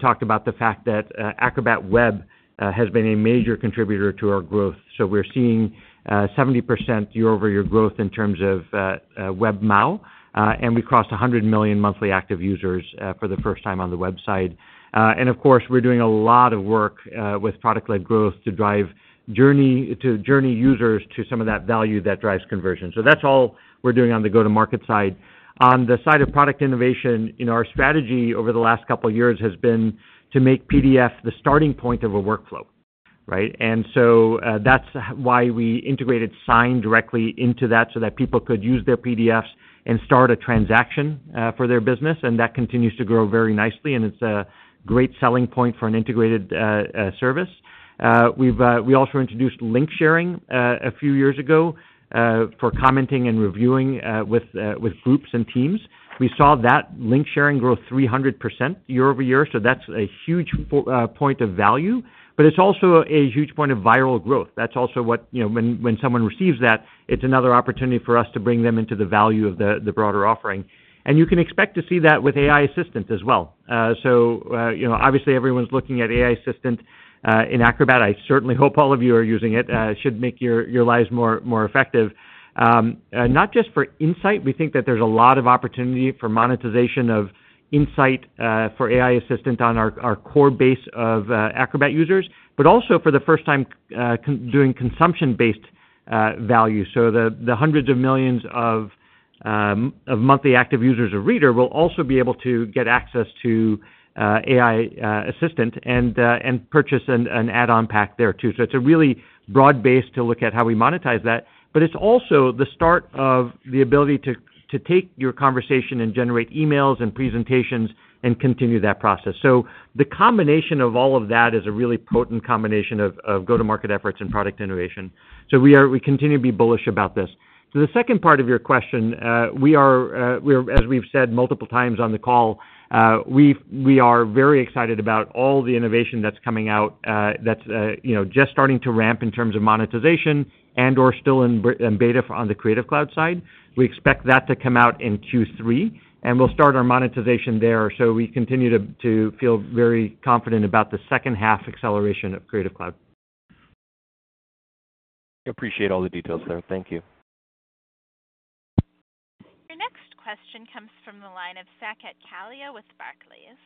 talked about the fact that Acrobat Web has been a major contributor to our growth, so we're seeing 70% year-over-year growth in terms of web MAU, and we crossed 100 million monthly active users for the first time on the website. And of course, we're doing a lot of work with product-led growth to drive journey-to-journey users to some of that value that drives conversion. So that's all we're doing on the go-to-market side. On the side of product innovation, you know, our strategy over the last couple of years has been to make PDF the starting point of a workflow, right? And so, that's why we integrated sign directly into that, so that people could use their PDFs and start a transaction for their business, and that continues to grow very nicely, and it's a great selling point for an integrated service. We've also introduced link sharing a few years ago for commenting and reviewing with groups and teams. We saw that link sharing grow 300% year-over-year, so that's a huge point of value, but it's also a huge point of viral growth. That's also what, you know, when someone receives that, it's another opportunity for us to bring them into the value of the broader offering. And you can expect to see that with AI Assistant as well. So, you know, obviously everyone's looking at AI Assistant in Acrobat. I certainly hope all of you are using it. It should make your lives more effective. Not just for insight, we think that there's a lot of opportunity for monetization of insight for AI Assistant on our core base of Acrobat users, but also for the first time, consumption-based value. So the hundreds of millions of monthly active users of Reader will also be able to get access to AI Assistant and purchase an add-on pack there too. So it's a really broad base to look at how we monetize that, but it's also the start of the ability to take your conversation and generate emails and presentations and continue that process. So the combination of all of that is a really potent combination of go-to-market efforts and product innovation. So we continue to be bullish about this. So the second part of your question, we are, we're, as we've said multiple times on the call, we are very excited about all the innovation that's coming out, that's you know just starting to ramp in terms of monetization and/or still in beta for on the Creative Cloud side. We expect that to come out in Q3, and we'll start our monetization there. So we continue to feel very confident about the second half acceleration of Creative Cloud. Appreciate all the details there. Thank you. Your next question comes from the line of Saket Kalia with Barclays.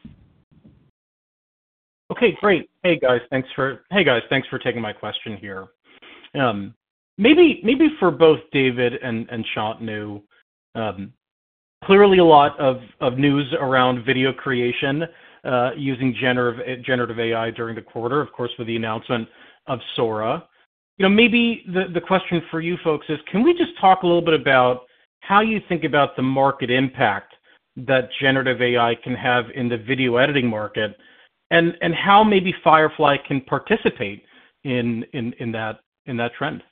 Okay, great. Hey, guys. Thanks for-- hey, guys, thanks for taking my question here. Maybe, maybe for both David and, and Shantanu, clearly, a lot of, of news around video creation, using generative AI during the quarter, of course, with the announcement of Sora. You know, maybe the, the question for you folks is, can we just talk a little bit about how you think about the market impact that generative AI can have in the video editing market, and, and how maybe Firefly can participate in, in, in that, in that trend?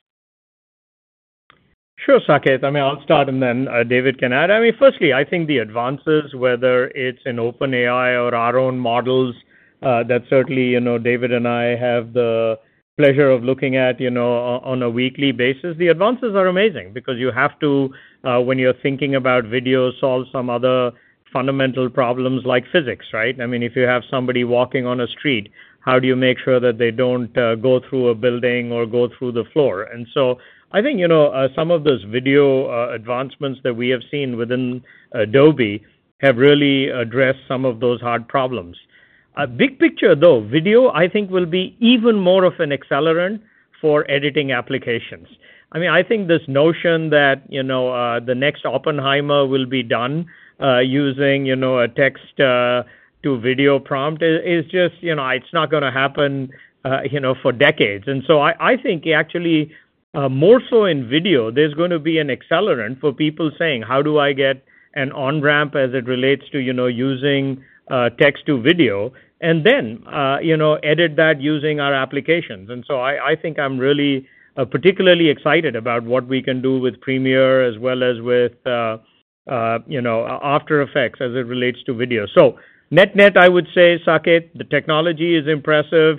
Sure, Saket. I mean, I'll start, and then David can add. I mean, firstly, I think the advances, whether it's in OpenAI or our own models, that certainly, you know, David and I have the pleasure of looking at, you know, on a weekly basis. The advances are amazing because you have to, when you're thinking about video, solve some other fundamental problems like physics, right? I mean, if you have somebody walking on a street, how do you make sure that they don't go through a building or go through the floor? And so I think, you know, some of those video advancements that we have seen within Adobe have really addressed some of those hard problems. A big picture, though, video, I think, will be even more of an accelerant for editing applications. I mean, I think this notion that, you know, the next Oppenheimer will be done using, you know, a text to video prompt is just, you know, it's not gonna happen, you know, for decades. And so I, I think actually, more so in video, there's gonna be an accelerant for people saying: How do I get an on-ramp as it relates to, you know, using text to video, and then, you know, edit that using our applications? And so I, I think I'm really, particularly excited about what we can do with Premiere as well as with, you know, After Effects as it relates to video. So net-net, I would say, Saket, the technology is impressive.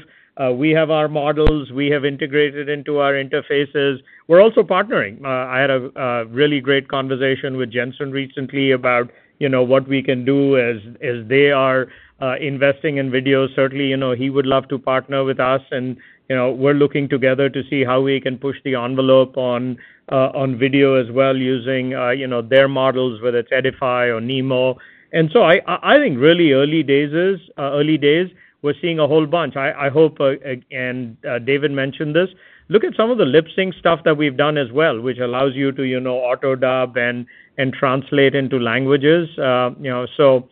We have our models. We have integrated into our interfaces. We're also partnering. I had a really great conversation with Jensen recently about, you know, what we can do as they are investing in video. Certainly, you know, he would love to partner with us, and, you know, we're looking together to see how we can push the envelope on video as well, using, you know, their models, whether it's Edify or NeMo. And so I think really early days is early days, we're seeing a whole bunch. I hope, again, David mentioned this, look at some of the lip sync stuff that we've done as well, which allows you to, you know, auto-dub and translate into languages. You know, so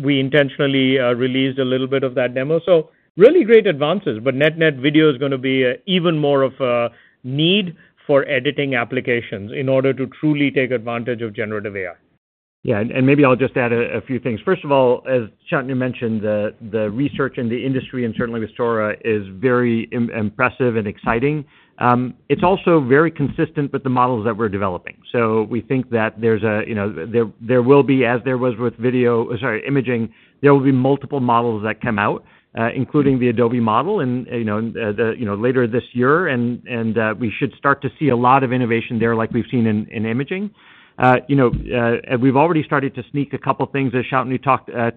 we intentionally released a little bit of that demo. Really great advances, but net-net, video is gonna be even more of a need for editing applications in order to truly take advantage of generative AI. Yeah, maybe I'll just add a few things. First of all, as Shantanu mentioned, the research in the industry, and certainly with Sora, is very impressive and exciting. It's also very consistent with the models that we're developing. So we think that there will be, as there was with video, sorry, imaging, there will be multiple models that come out, including the Adobe model, you know, later this year, and we should start to see a lot of innovation there like we've seen in imaging. You know, we've already started to sneak a couple things that Shantanu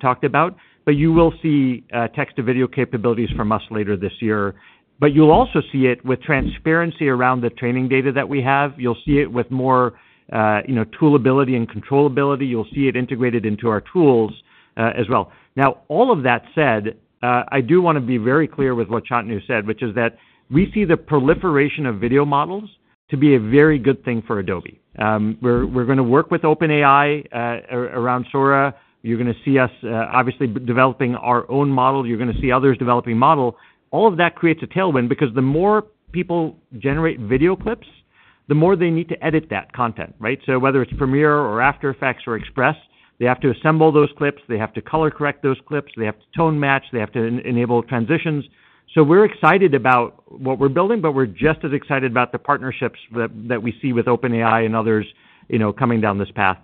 talked about, but you will see text to video capabilities from us later this year. But you'll also see it with transparency around the training data that we have. You'll see it with more, you know, toolability and controllability. You'll see it integrated into our tools, as well. Now, all of that said, I do wanna be very clear with what Shantanu said, which is that we see the proliferation of video models to be a very good thing for Adobe. We're gonna work with OpenAI around Sora. You're gonna see us, obviously, developing our own model. You're gonna see others developing model. All of that creates a tailwind because the more people generate video clips, the more they need to edit that content, right? So whether it's Premiere or After Effects or Express, they have to assemble those clips, they have to color correct those clips, they have to tone match, they have to enable transitions. So we're excited about what we're building, but we're just as excited about the partnerships that we see with OpenAI and others, you know, coming down this path.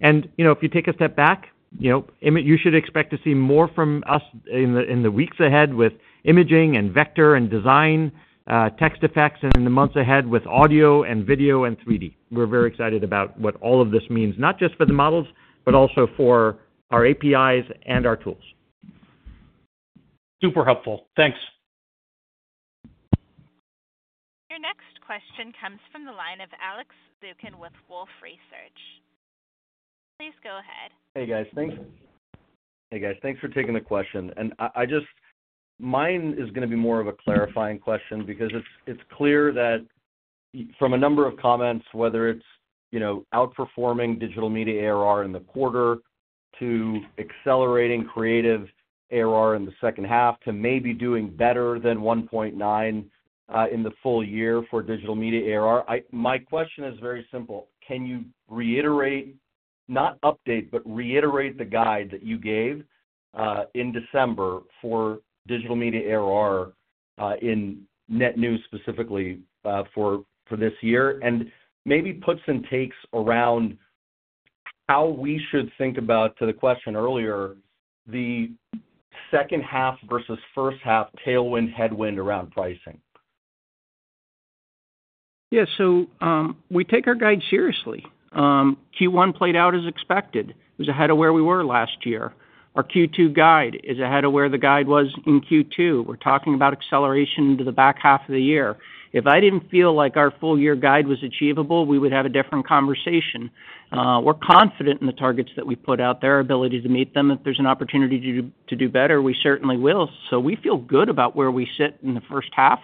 And, you know, if you take a step back, you know, you should expect to see more from us in the weeks ahead with imaging and vector and design, text effects, and in the months ahead, with audio and video and 3D. We're very excited about what all of this means, not just for the models, but also for our APIs and our tools. Super helpful. Thanks. Your next question comes from the line of Alex Zukin with Wolfe Research. Please go ahead. Hey, guys. Thanks for taking the question. Mine is gonna be more of a clarifying question because it's clear that from a number of comments, whether it's, you know, outperforming digital media ARR in the quarter to accelerating creative ARR in the second half, to maybe doing better than 1.9 in the full year for digital media ARR. My question is very simple: Can you reiterate, not update, but reiterate the guide that you gave in December for digital media ARR in net new specifically for this year? And maybe puts and takes around how we should think about, to the question earlier, the second half versus first half tailwind, headwind around pricing. Yeah, so we take our guide seriously. Q1 played out as expected. It was ahead of where we were last year. Our Q2 guide is ahead of where the guide was in Q2. We're talking about acceleration into the back half of the year. If I didn't feel like our full year guide was achievable, we would have a different conversation. We're confident in the targets that we put out there, our ability to meet them. If there's an opportunity to, to do better, we certainly will. So we feel good about where we sit in the first half.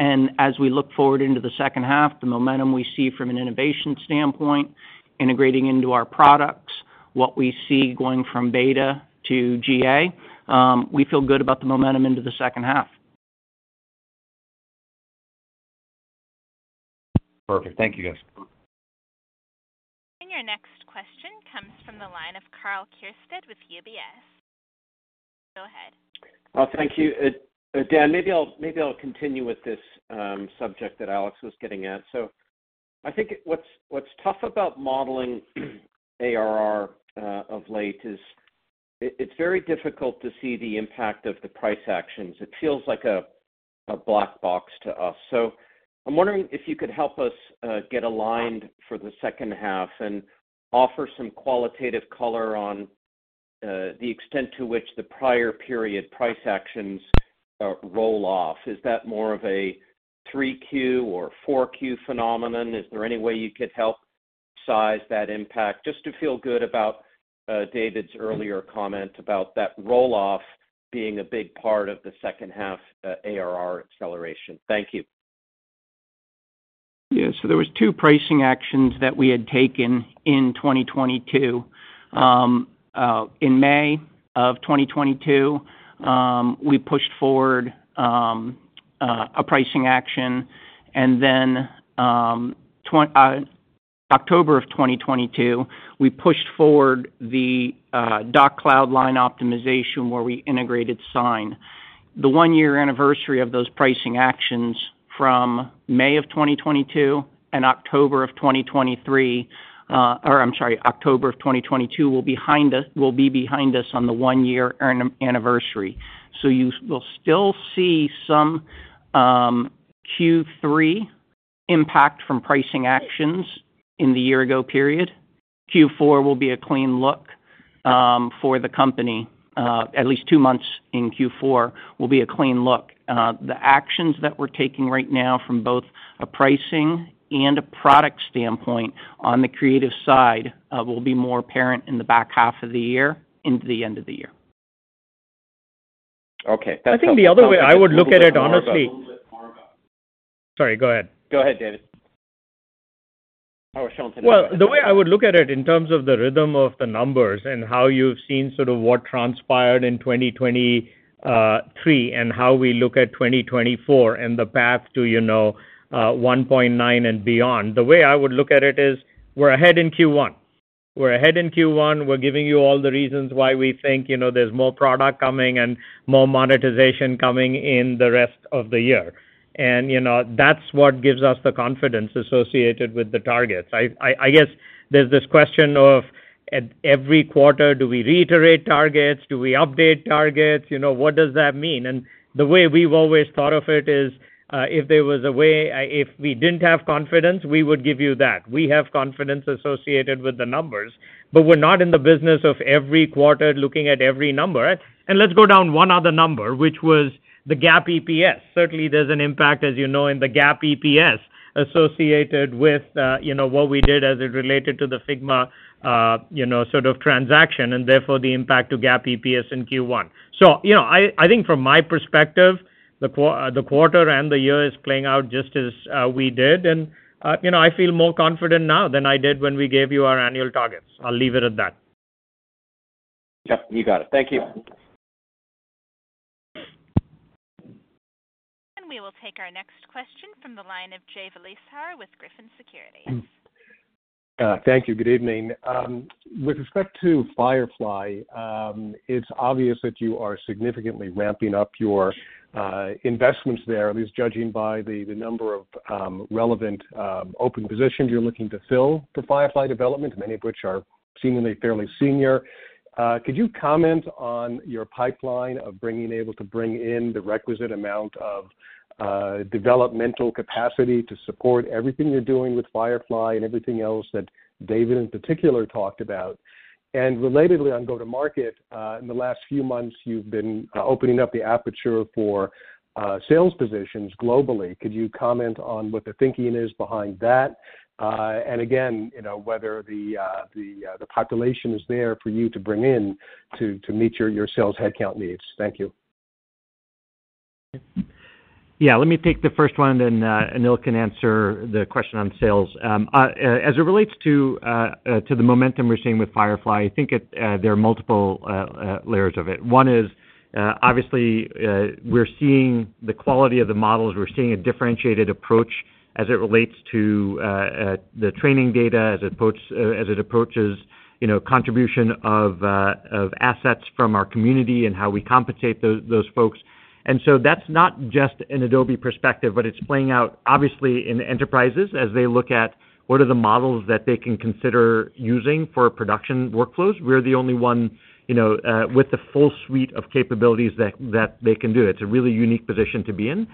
And as we look forward into the second half, the momentum we see from an innovation standpoint, integrating into our products, what we see going from beta to GA, we feel good about the momentum into the second half. Perfect. Thank you, guys. Your next question comes from the line of Karl Keirstead with UBS. Go ahead. Well, thank you. Dan, maybe I'll, maybe I'll continue with this subject that Alex was getting at. So I think what's tough about modeling ARR of late is it's very difficult to see the impact of the price actions. It feels like a black box to us. So I'm wondering if you could help us get aligned for the second half and offer some qualitative color on the extent to which the prior period price actions roll off. Is that more of a 3Q or 4Q phenomenon? Is there any way you could help size that impact? Just to feel good about David's earlier comment about that roll-off being a big part of the second half ARR acceleration. Thank you. Yeah, so there was two pricing actions that we had taken in 2022. In May of 2022, we pushed forward a pricing action, and then, October of 2022, we pushed forward the Doc Cloud line optimization, where we integrated Sign. The one-year anniversary of those pricing actions from May of 2022 and October of 2022 will be behind us on the one-year anniversary. So you will still see some Q3 impact from pricing actions in the year ago period. Q4 will be a clean look for the company. At least two months in Q4 will be a clean look. The actions that we're taking right now from both a pricing and a product standpoint on the creative side will be more apparent in the back half of the year into the end of the year. Okay, that's helpful. I think the other way I would look at it honestly- A little bit more about- Sorry, go ahead. Go ahead, David. Oh, Shantanu, I'm sorry. Well, the way I would look at it in terms of the rhythm of the numbers and how you've seen sort of what transpired in 2020 and 2023, and how we look at 2024 and the path to, you know, 1.9 and beyond. The way I would look at it is we're ahead in Q1. We're ahead in Q1. We're giving you all the reasons why we think, you know, there's more product coming and more monetization coming in the rest of the year. And, you know, that's what gives us the confidence associated with the targets. I guess there's this question of, at every quarter, do we reiterate targets? Do we update targets? You know, what does that mean? The way we've always thought of it is, if we didn't have confidence, we would give you that. We have confidence associated with the numbers, but we're not in the business of every quarter looking at every number. Let's go down one other number, which was the GAAP EPS. Certainly, there's an impact, as you know, in the GAAP EPS, associated with, you know, what we did as it related to the Figma, you know, sort of transaction, and therefore, the impact to GAAP EPS in Q1. So, you know, I, I think from my perspective, the quarter and the year is playing out just as we did. You know, I feel more confident now than I did when we gave you our annual targets. I'll leave it at that. Yep, you got it. Thank you. We will take our next question from the line of Jay Vleeschhouwer with Griffin Securities. Thank you. Good evening. With respect to Firefly, it's obvious that you are significantly ramping up your investments there, at least judging by the number of relevant open positions you're looking to fill for Firefly development, many of which are seemingly fairly senior. Could you comment on your pipeline of being able to bring in the requisite amount of developmental capacity to support everything you're doing with Firefly and everything else that David, in particular, talked about? And relatedly, on go-to-market, in the last few months, you've been opening up the aperture for sales positions globally. Could you comment on what the thinking is behind that? And again, you know, whether the population is there for you to bring in to meet your sales headcount needs. Thank you. Yeah, let me take the first one, then Anil can answer the question on sales. As it relates to the momentum we're seeing with Firefly, I think there are multiple layers of it. One is, obviously, we're seeing the quality of the models. We're seeing a differentiated approach as it relates to the training data, as it approaches, you know, contribution of assets from our community and how we compensate those folks. And so that's not just an Adobe perspective, but it's playing out obviously in enterprises as they look at what are the models that they can consider using for production workflows. We're the only one, you know, with the full suite of capabilities that they can do. It's a really unique position to be in.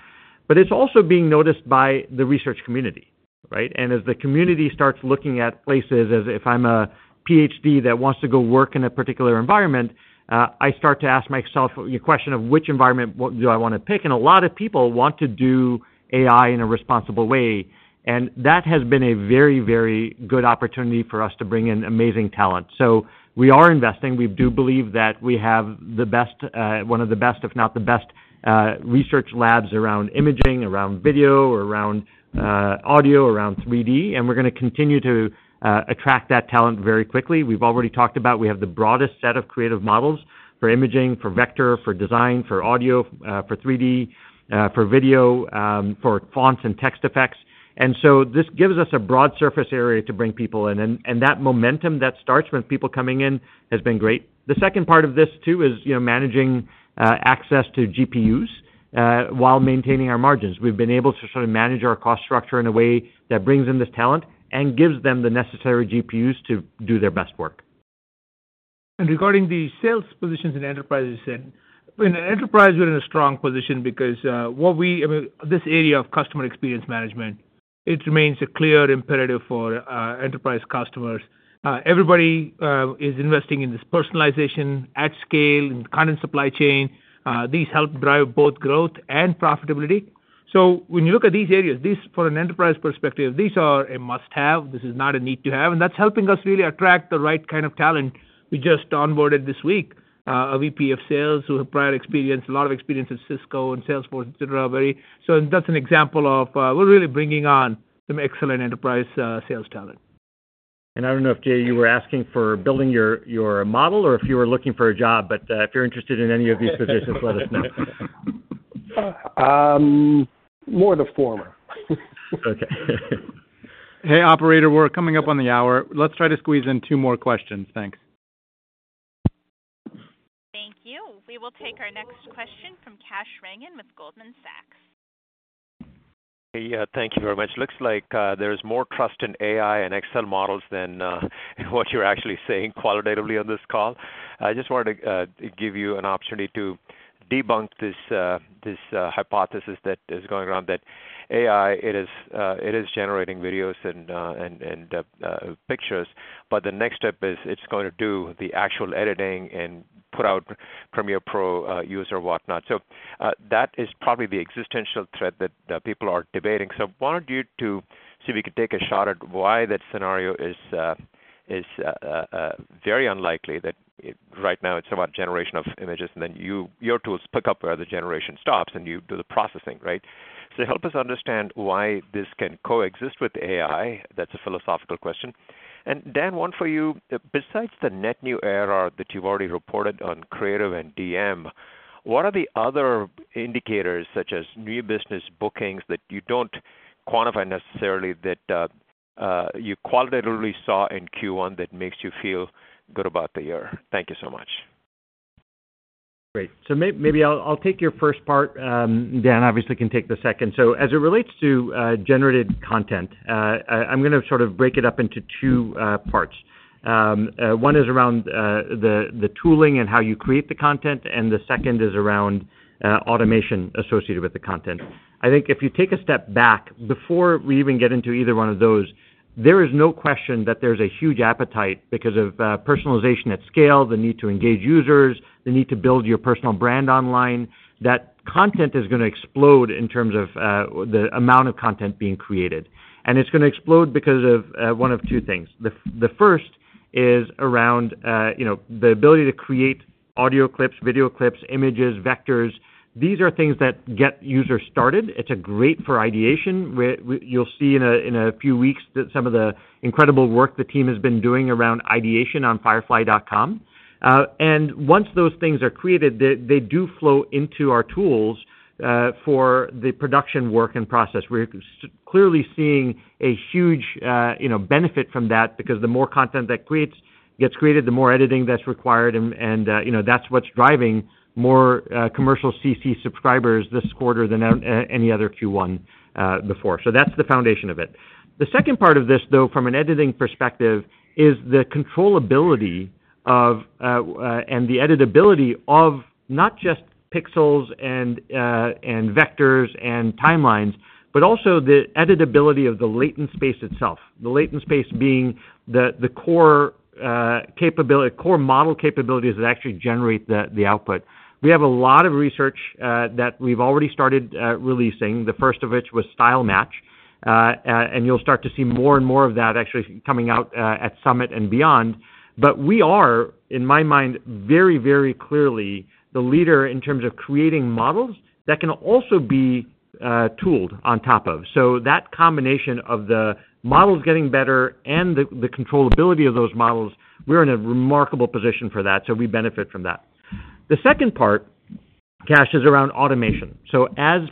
But it's also being noticed by the research community, right? And as the community starts looking at places, as if I'm a PhD that wants to go work in a particular environment, I start to ask myself a question of which environment do I want to pick? And a lot of people want to do AI in a responsible way, and that has been a very, very good opportunity for us to bring in amazing talent. So we are investing. We do believe that we have the best, one of the best, if not the best, research labs around imaging, around video, around audio, around 3D, and we're going to continue to attract that talent very quickly. We've already talked about we have the broadest set of creative models for imaging, for vector, for design, for audio, for 3D, for video, for fonts and text effects. And so this gives us a broad surface area to bring people in, and, and that momentum that starts with people coming in has been great. The second part of this, too, is, you know, managing access to GPUs while maintaining our margins. We've been able to sort of manage our cost structure in a way that brings in this talent and gives them the necessary GPUs to do their best work. Regarding the sales positions in enterprises, in enterprise, we're in a strong position because I mean, this area of customer experience management, it remains a clear imperative for enterprise customers. Everybody is investing in this personalization at scale and content supply chain. These help drive both growth and profitability. So when you look at these areas, these from an enterprise perspective, these are a must-have. This is not a need to have, and that's helping us really attract the right kind of talent. We just onboarded this week a VP of sales, who have prior experience, a lot of experience at Cisco and Salesforce, et cetera. So that's an example of we're really bringing on some excellent enterprise sales talent. I don't know if, Jay, you were asking for building your, your model or if you were looking for a job, but if you're interested in any of these positions, let us know. More the former. Okay. Hey, operator, we're coming up on the hour. Let's try to squeeze in two more questions. Thanks. Thank you. We will take our next question from Kash Rangan with Goldman Sachs. Hey, thank you very much. Looks like, there's more trust in AI and Excel models than what you're actually saying qualitatively on this call. I just wanted to give you an opportunity to debunk this hypothesis that is going around, that AI, it is generating videos and pictures, but the next step is it's going to do the actual editing and put out Premiere Pro user whatnot. So, that is probably the existential threat that people are debating. So why don't you to see if you could take a shot at why that scenario is very unlikely, that right now it's about generation of images, and then your tools pick up where the generation stops, and you do the processing, right? So help us understand why this can coexist with AI. That's a philosophical question. And Dan, one for you: Besides the net new ARR that you've already reported on creative and DM, what are the other indicators, such as new business bookings, that you don't quantify necessarily, that you qualitatively saw in Q1 that makes you feel good about the year? Thank you so much. Great. So maybe I'll take your first part. Dan, obviously, can take the second. So as it relates to generated content, I'm going to sort of break it up into two parts. One is around the tooling and how you create the content, and the second is around automation associated with the content. I think if you take a step back, before we even get into either one of those, there is no question that there's a huge appetite because of personalization at scale, the need to engage users, the need to build your personal brand online. That content is going to explode in terms of the amount of content being created. And it's going to explode because of one of two things. The first is around, you know, the ability to create audio clips, video clips, images, vectors. These are things that get users started. It's great for ideation. You'll see in a few weeks that some of the incredible work the team has been doing around ideation on Firefly.com. And once those things are created, they do flow into our tools for the production work and process. We're clearly seeing a huge, you know, benefit from that, because the more content that gets created, the more editing that's required, and you know, that's what's driving more commercial CC subscribers this quarter than any other Q1 before. So that's the foundation of it. The second part of this, though, from an editing perspective, is the controllability of, and the editability of not just pixels and vectors and timelines, but also the editability of the latent space itself. The latent space being the core capability, core model capabilities that actually generate the output. We have a lot of research that we've already started releasing, the first of which was Style Match, and you'll start to see more and more of that actually coming out at Summit and beyond. But we are, in my mind, very, very clearly the leader in terms of creating models that can also be tooled on top of. So that combination of the models getting better and the controllability of those models, we're in a remarkable position for that, so we benefit from that. The second part, Kash, is around automation. So as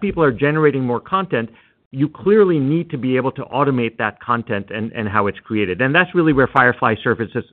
people are generating more content, you clearly need to be able to automate that content and how it's created, and that's really where Firefly Services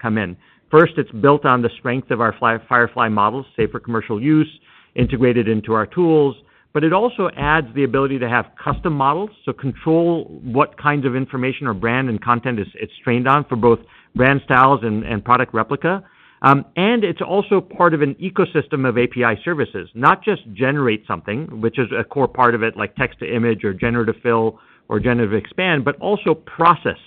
come in. First, it's built on the strength of our Firefly models for commercial use, integrated into our tools, but it also adds the ability to have custom models, so control what kinds of information or brand and content it's trained on for both brand styles and product replica. And it's also part of an ecosystem of API services, not just generate something, which is a core part of it, like text to image or Generative Fill or Generative Expand, but also process.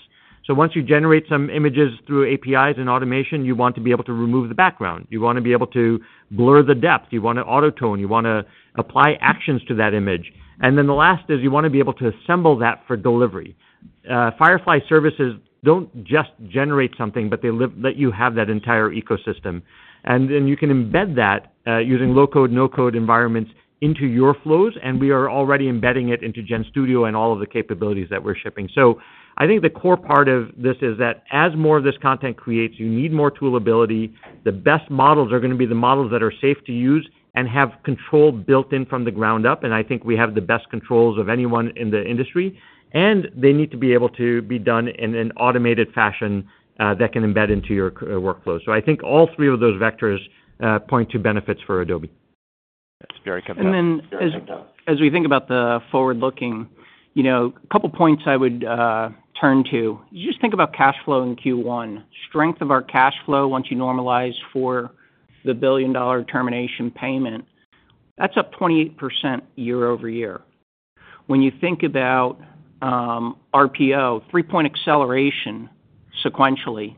So once you generate some images through APIs and automation, you want to be able to remove the background. You want to be able to blur the depth, you want to Auto Tone, you want to apply actions to that image. And then the last is you want to be able to assemble that for delivery. Firefly Services don't just generate something, but they let you have that entire ecosystem. And then you can embed that, using low-code, no-code environments into your flows, and we are already embedding it into GenStudio and all of the capabilities that we're shipping. So I think the core part of this is that as more of this content creates, you need more toolability. The best models are going to be the models that are safe to use and have control built in from the ground up, and I think we have the best controls of anyone in the industry, and they need to be able to be done in an automated fashion, that can embed into your workflow. So I think all three of those vectors point to benefits for Adobe. That's very good. And then as we think about the forward-looking, you know, a couple points I would turn to. You just think about cash flow in Q1. Strength of our cash flow once you normalize for the $1 billion termination payment, that's up 28% year-over-year. When you think about RPO, 3-point acceleration sequentially,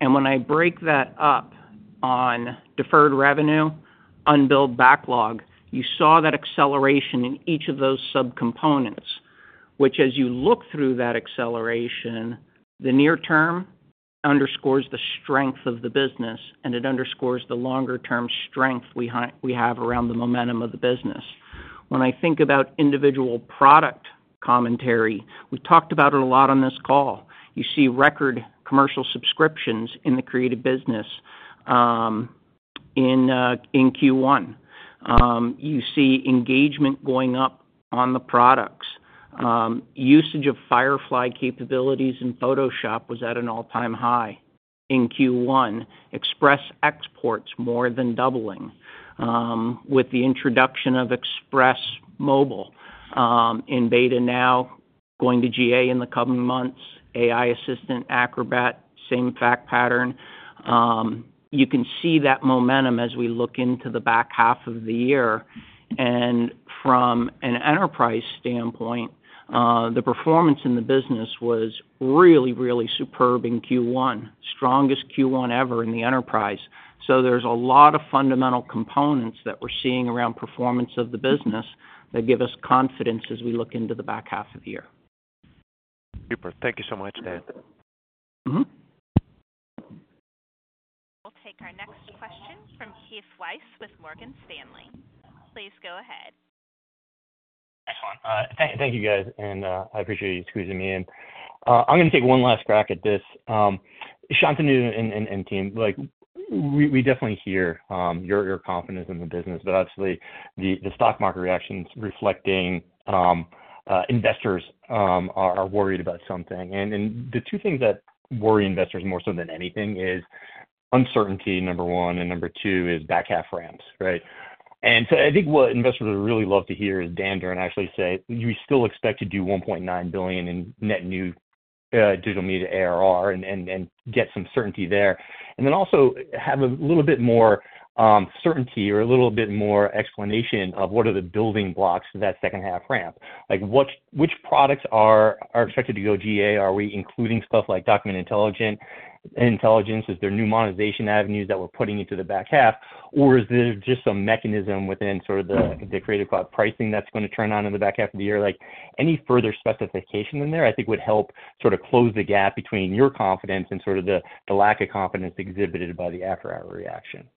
and when I break that up on deferred revenue, unbilled backlog, you saw that acceleration in each of those subcomponents, which, as you look through that acceleration, the near term underscores the strength of the business, and it underscores the longer-term strength we have around the momentum of the business. When I think about individual product commentary, we talked about it a lot on this call. You see record commercial subscriptions in the creative business in Q1. You see engagement going up on the products. Usage of Firefly capabilities in Photoshop was at an all-time high in Q1. Express exports more than doubling, with the introduction of Express Mobile, in beta now, going to GA in the coming months, AI Assistant, Acrobat, same fact pattern. You can see that momentum as we look into the back half of the year. And from an enterprise standpoint, the performance in the business was really, really superb in Q1. Strongest Q1 ever in the enterprise. So there's a lot of fundamental components that we're seeing around performance of the business that give us confidence as we look into the back half of the year. Super. Thank you so much, Dan. Mm-hmm. We'll take our next question from Keith Weiss with Morgan Stanley. Please go ahead. Excellent. Thank you, guys, and I appreciate you squeezing me in. I'm gonna take one last crack at this. Shantanu and team, like, we definitely hear your confidence in the business, but obviously, the stock market reaction's reflecting investors are worried about something. The two things that worry investors more so than anything is uncertainty, number one, and number two is back half ramps, right? So I think what investors would really love to hear is Dan Durn actually say, "You still expect to do $1.9 billion in net new digital media ARR," and get some certainty there. Then also have a little bit more certainty or a little bit more explanation of what are the building blocks for that second half ramp. Like, which products are expected to go GA? Are we including stuff like document intelligence? Is there new monetization avenues that we're putting into the back half, or is there just some mechanism within sort of the Creative Cloud pricing that's going to turn on in the back half of the year? Like, any further specification in there, I think would help sort of close the gap between your confidence and sort of the lack of confidence exhibited by the after-hours reaction.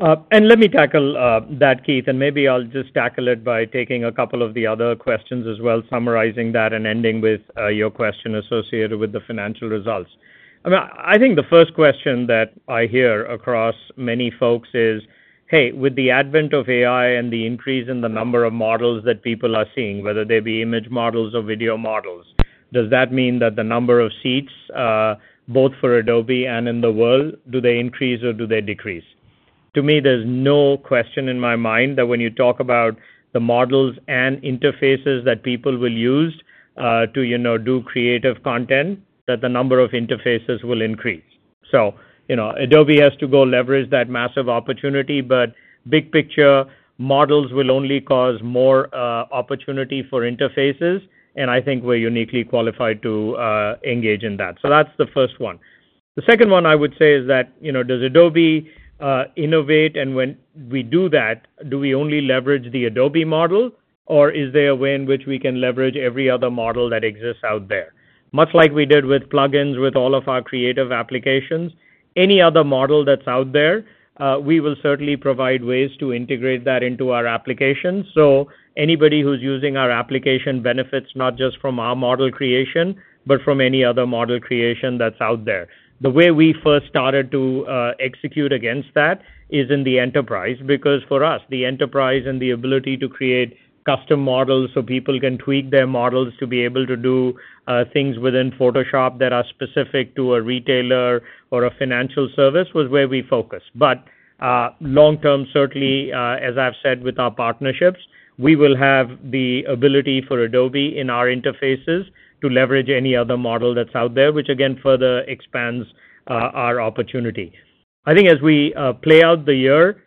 And let me tackle that, Keith, and maybe I'll just tackle it by taking a couple of the other questions as well, summarizing that and ending with your question associated with the financial results. I mean, I think the first question that I hear across many folks is, hey, with the advent of AI and the increase in the number of models that people are seeing, whether they be image models or video models, does that mean that the number of seats, both for Adobe and in the world, do they increase or do they decrease? To me, there's no question in my mind that when you talk about the models and interfaces that people will use to, you know, do creative content, that the number of interfaces will increase. So, you know, Adobe has to go leverage that massive opportunity, but big picture, models will only cause more opportunity for interfaces, and I think we're uniquely qualified to engage in that. So that's the first one. The second one I would say is that, you know, does Adobe innovate? And when we do that, do we only leverage the Adobe model, or is there a way in which we can leverage every other model that exists out there? Much like we did with plugins, with all of our creative applications, any other model that's out there, we will certainly provide ways to integrate that into our application. So anybody who's using our application benefits, not just from our model creation, but from any other model creation that's out there. The way we first started to execute against that is in the enterprise, because for us, the enterprise and the ability to create custom models so people can tweak their models to be able to do things within Photoshop that are specific to a retailer or a financial service, was where we focus. But long term, certainly, as I've said with our partnerships, we will have the ability for Adobe in our interfaces to leverage any other model that's out there, which again, further expands our opportunity. I think as we play out the year,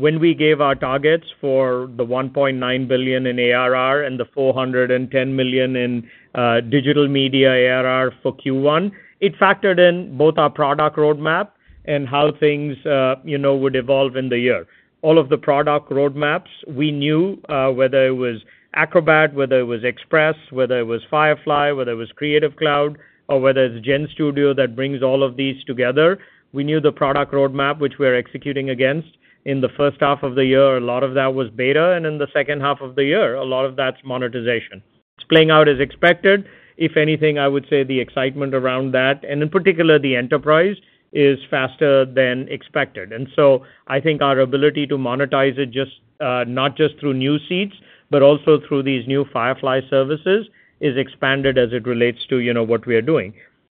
when we gave our targets for the $1.9 billion in ARR and the $410 million in digital media ARR for Q1, it factored in both our product roadmap and how things, you know, would evolve in the year. All of the product roadmaps, we knew, whether it was Acrobat, whether it was Express, whether it was Firefly, whether it was Creative Cloud, or whether it's GenStudio that brings all of these together, we knew the product roadmap, which we are executing against. In the first half of the year, a lot of that was beta, and in the second half of the year, a lot of that's monetization. It's playing out as expected. If anything, I would say the excitement around that, and in particular, the enterprise, is faster than expected. And so I think our ability to monetize it just, not just through new seats, but also through these new Firefly Services, is expanded as it relates to, you know, what we are doing.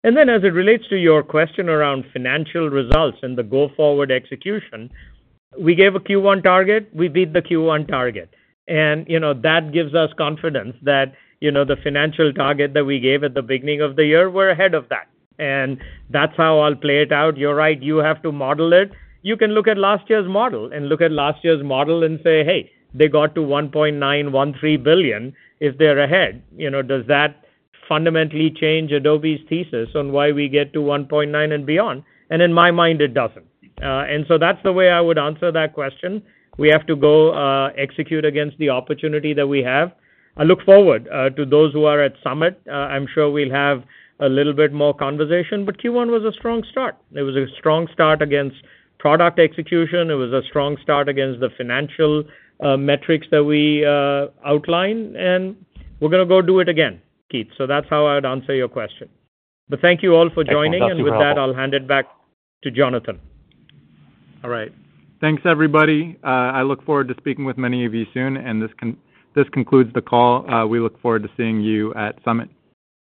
And then as it relates to your question around financial results and the go-forward execution, we gave a Q1 target, we beat the Q1 target. And, you know, that gives us confidence that, you know, the financial target that we gave at the beginning of the year, we're ahead of that. And that's how I'll play it out. You're right, you have to model it. You can look at last year's model and look at last year's model and say, "Hey, they got to $1.913 billion, if they're ahead." You know, does that fundamentally change Adobe's thesis on why we get to $1.9 billion and beyond? And in my mind, it doesn't. And so that's the way I would answer that question. We have to go, execute against the opportunity that we have. I look forward to those who are at Summit. I'm sure we'll have a little bit more conversation, but Q1 was a strong start. It was a strong start against product execution. It was a strong start against the financial metrics that we outlined, and we're gonna go do it again, Keith. So that's how I would answer your question. But thank you all for joining. Thanks once again, Shantanu. With that, I'll hand it back to Jonathan. All right. Thanks, everybody. I look forward to speaking with many of you soon, and this concludes the call. We look forward to seeing you at Summit.